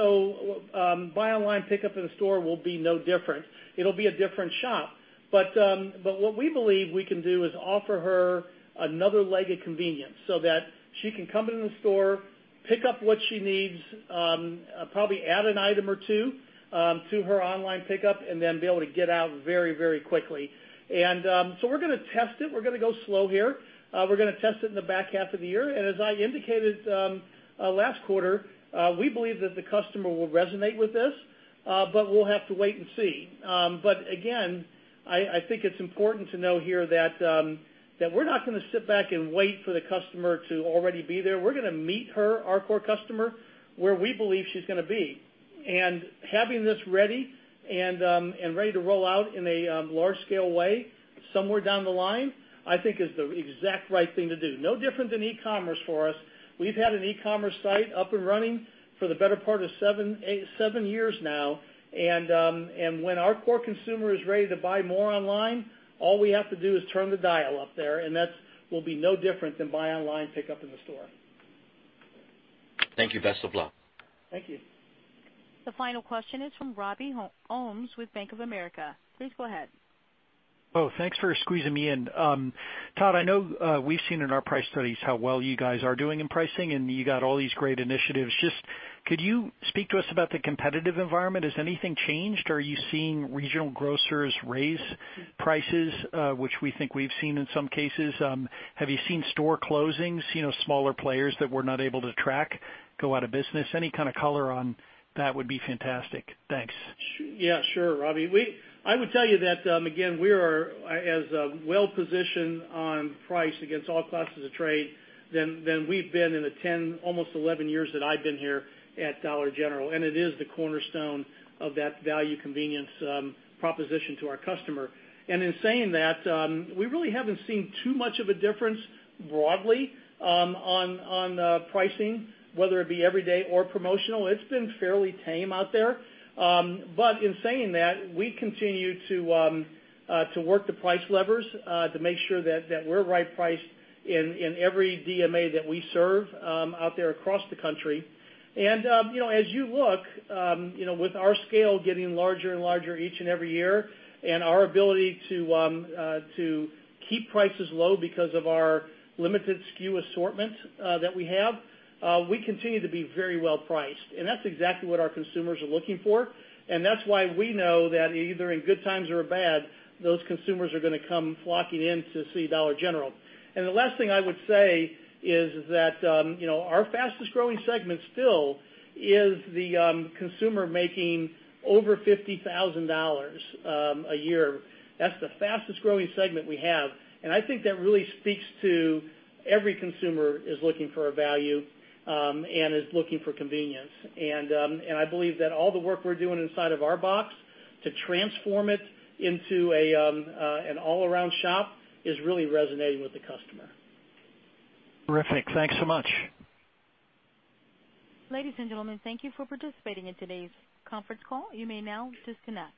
online, pickup in store will be no different. It'll be a different shop. What we believe we can do is offer her another leg of convenience so that she can come into the store, pick up what she needs, probably add an item or two to her online pickup, and then be able to get out very, very quickly. We're going to test it. We're going to go slow here. We're going to test it in the back half of the year. As I indicated last quarter, we believe that the customer will resonate with this, but we'll have to wait and see. Again, I think it's important to know here that we're not going to sit back and wait for the customer to already be there. We're going to meet her, our core customer, where we believe she's going to be. Having this ready and ready to roll out in a large-scale way somewhere down the line, I think is the exact right thing to do. No different than e-commerce for us. We've had an e-commerce site up and running for the better part of seven years now. When our core consumer is ready to buy more online, all we have to do is turn the dial up there, and that will be no different than buy online, pickup in store. Thank you. Best of luck. Thank you. The final question is from Robert Ohmes with Bank of America. Please go ahead. Oh, thanks for squeezing me in. Todd, I know we've seen in our price studies how well you guys are doing in pricing, and you got all these great initiatives. Just could you speak to us about the competitive environment? Has anything changed? Are you seeing regional grocers raise prices, which we think we've seen in some cases? Have you seen store closings, smaller players that we're not able to track go out of business? Any kind of color on that would be fantastic. Thanks. Yeah, sure, Robbie. I would tell you that, again, we are as well-positioned on price against all classes of trade than we've been in the 10, almost 11 years that I've been here at Dollar General. It is the cornerstone of that value convenience proposition to our customer. In saying that, we really haven't seen too much of a difference broadly on pricing, whether it be everyday or promotional. It's been fairly tame out there. In saying that, we continue to work the price levers to make sure that we're right-priced in every DMA that we serve out there across the country. As you look, with our scale getting larger and larger each and every year and our ability to keep prices low because of our limited SKU assortment that we have, we continue to be very well-priced. That's exactly what our consumers are looking for, and that's why we know that either in good times or bad, those consumers are going to come flocking in to see Dollar General. The last thing I would say is that our fastest-growing segment still is the consumer making over $50,000 a year. That's the fastest-growing segment we have, and I think that really speaks to every consumer is looking for a value and is looking for convenience. I believe that all the work we're doing inside of our box to transform it into an all-around shop is really resonating with the customer. Terrific. Thanks so much. Ladies and gentlemen, thank you for participating in today's conference call. You may now disconnect.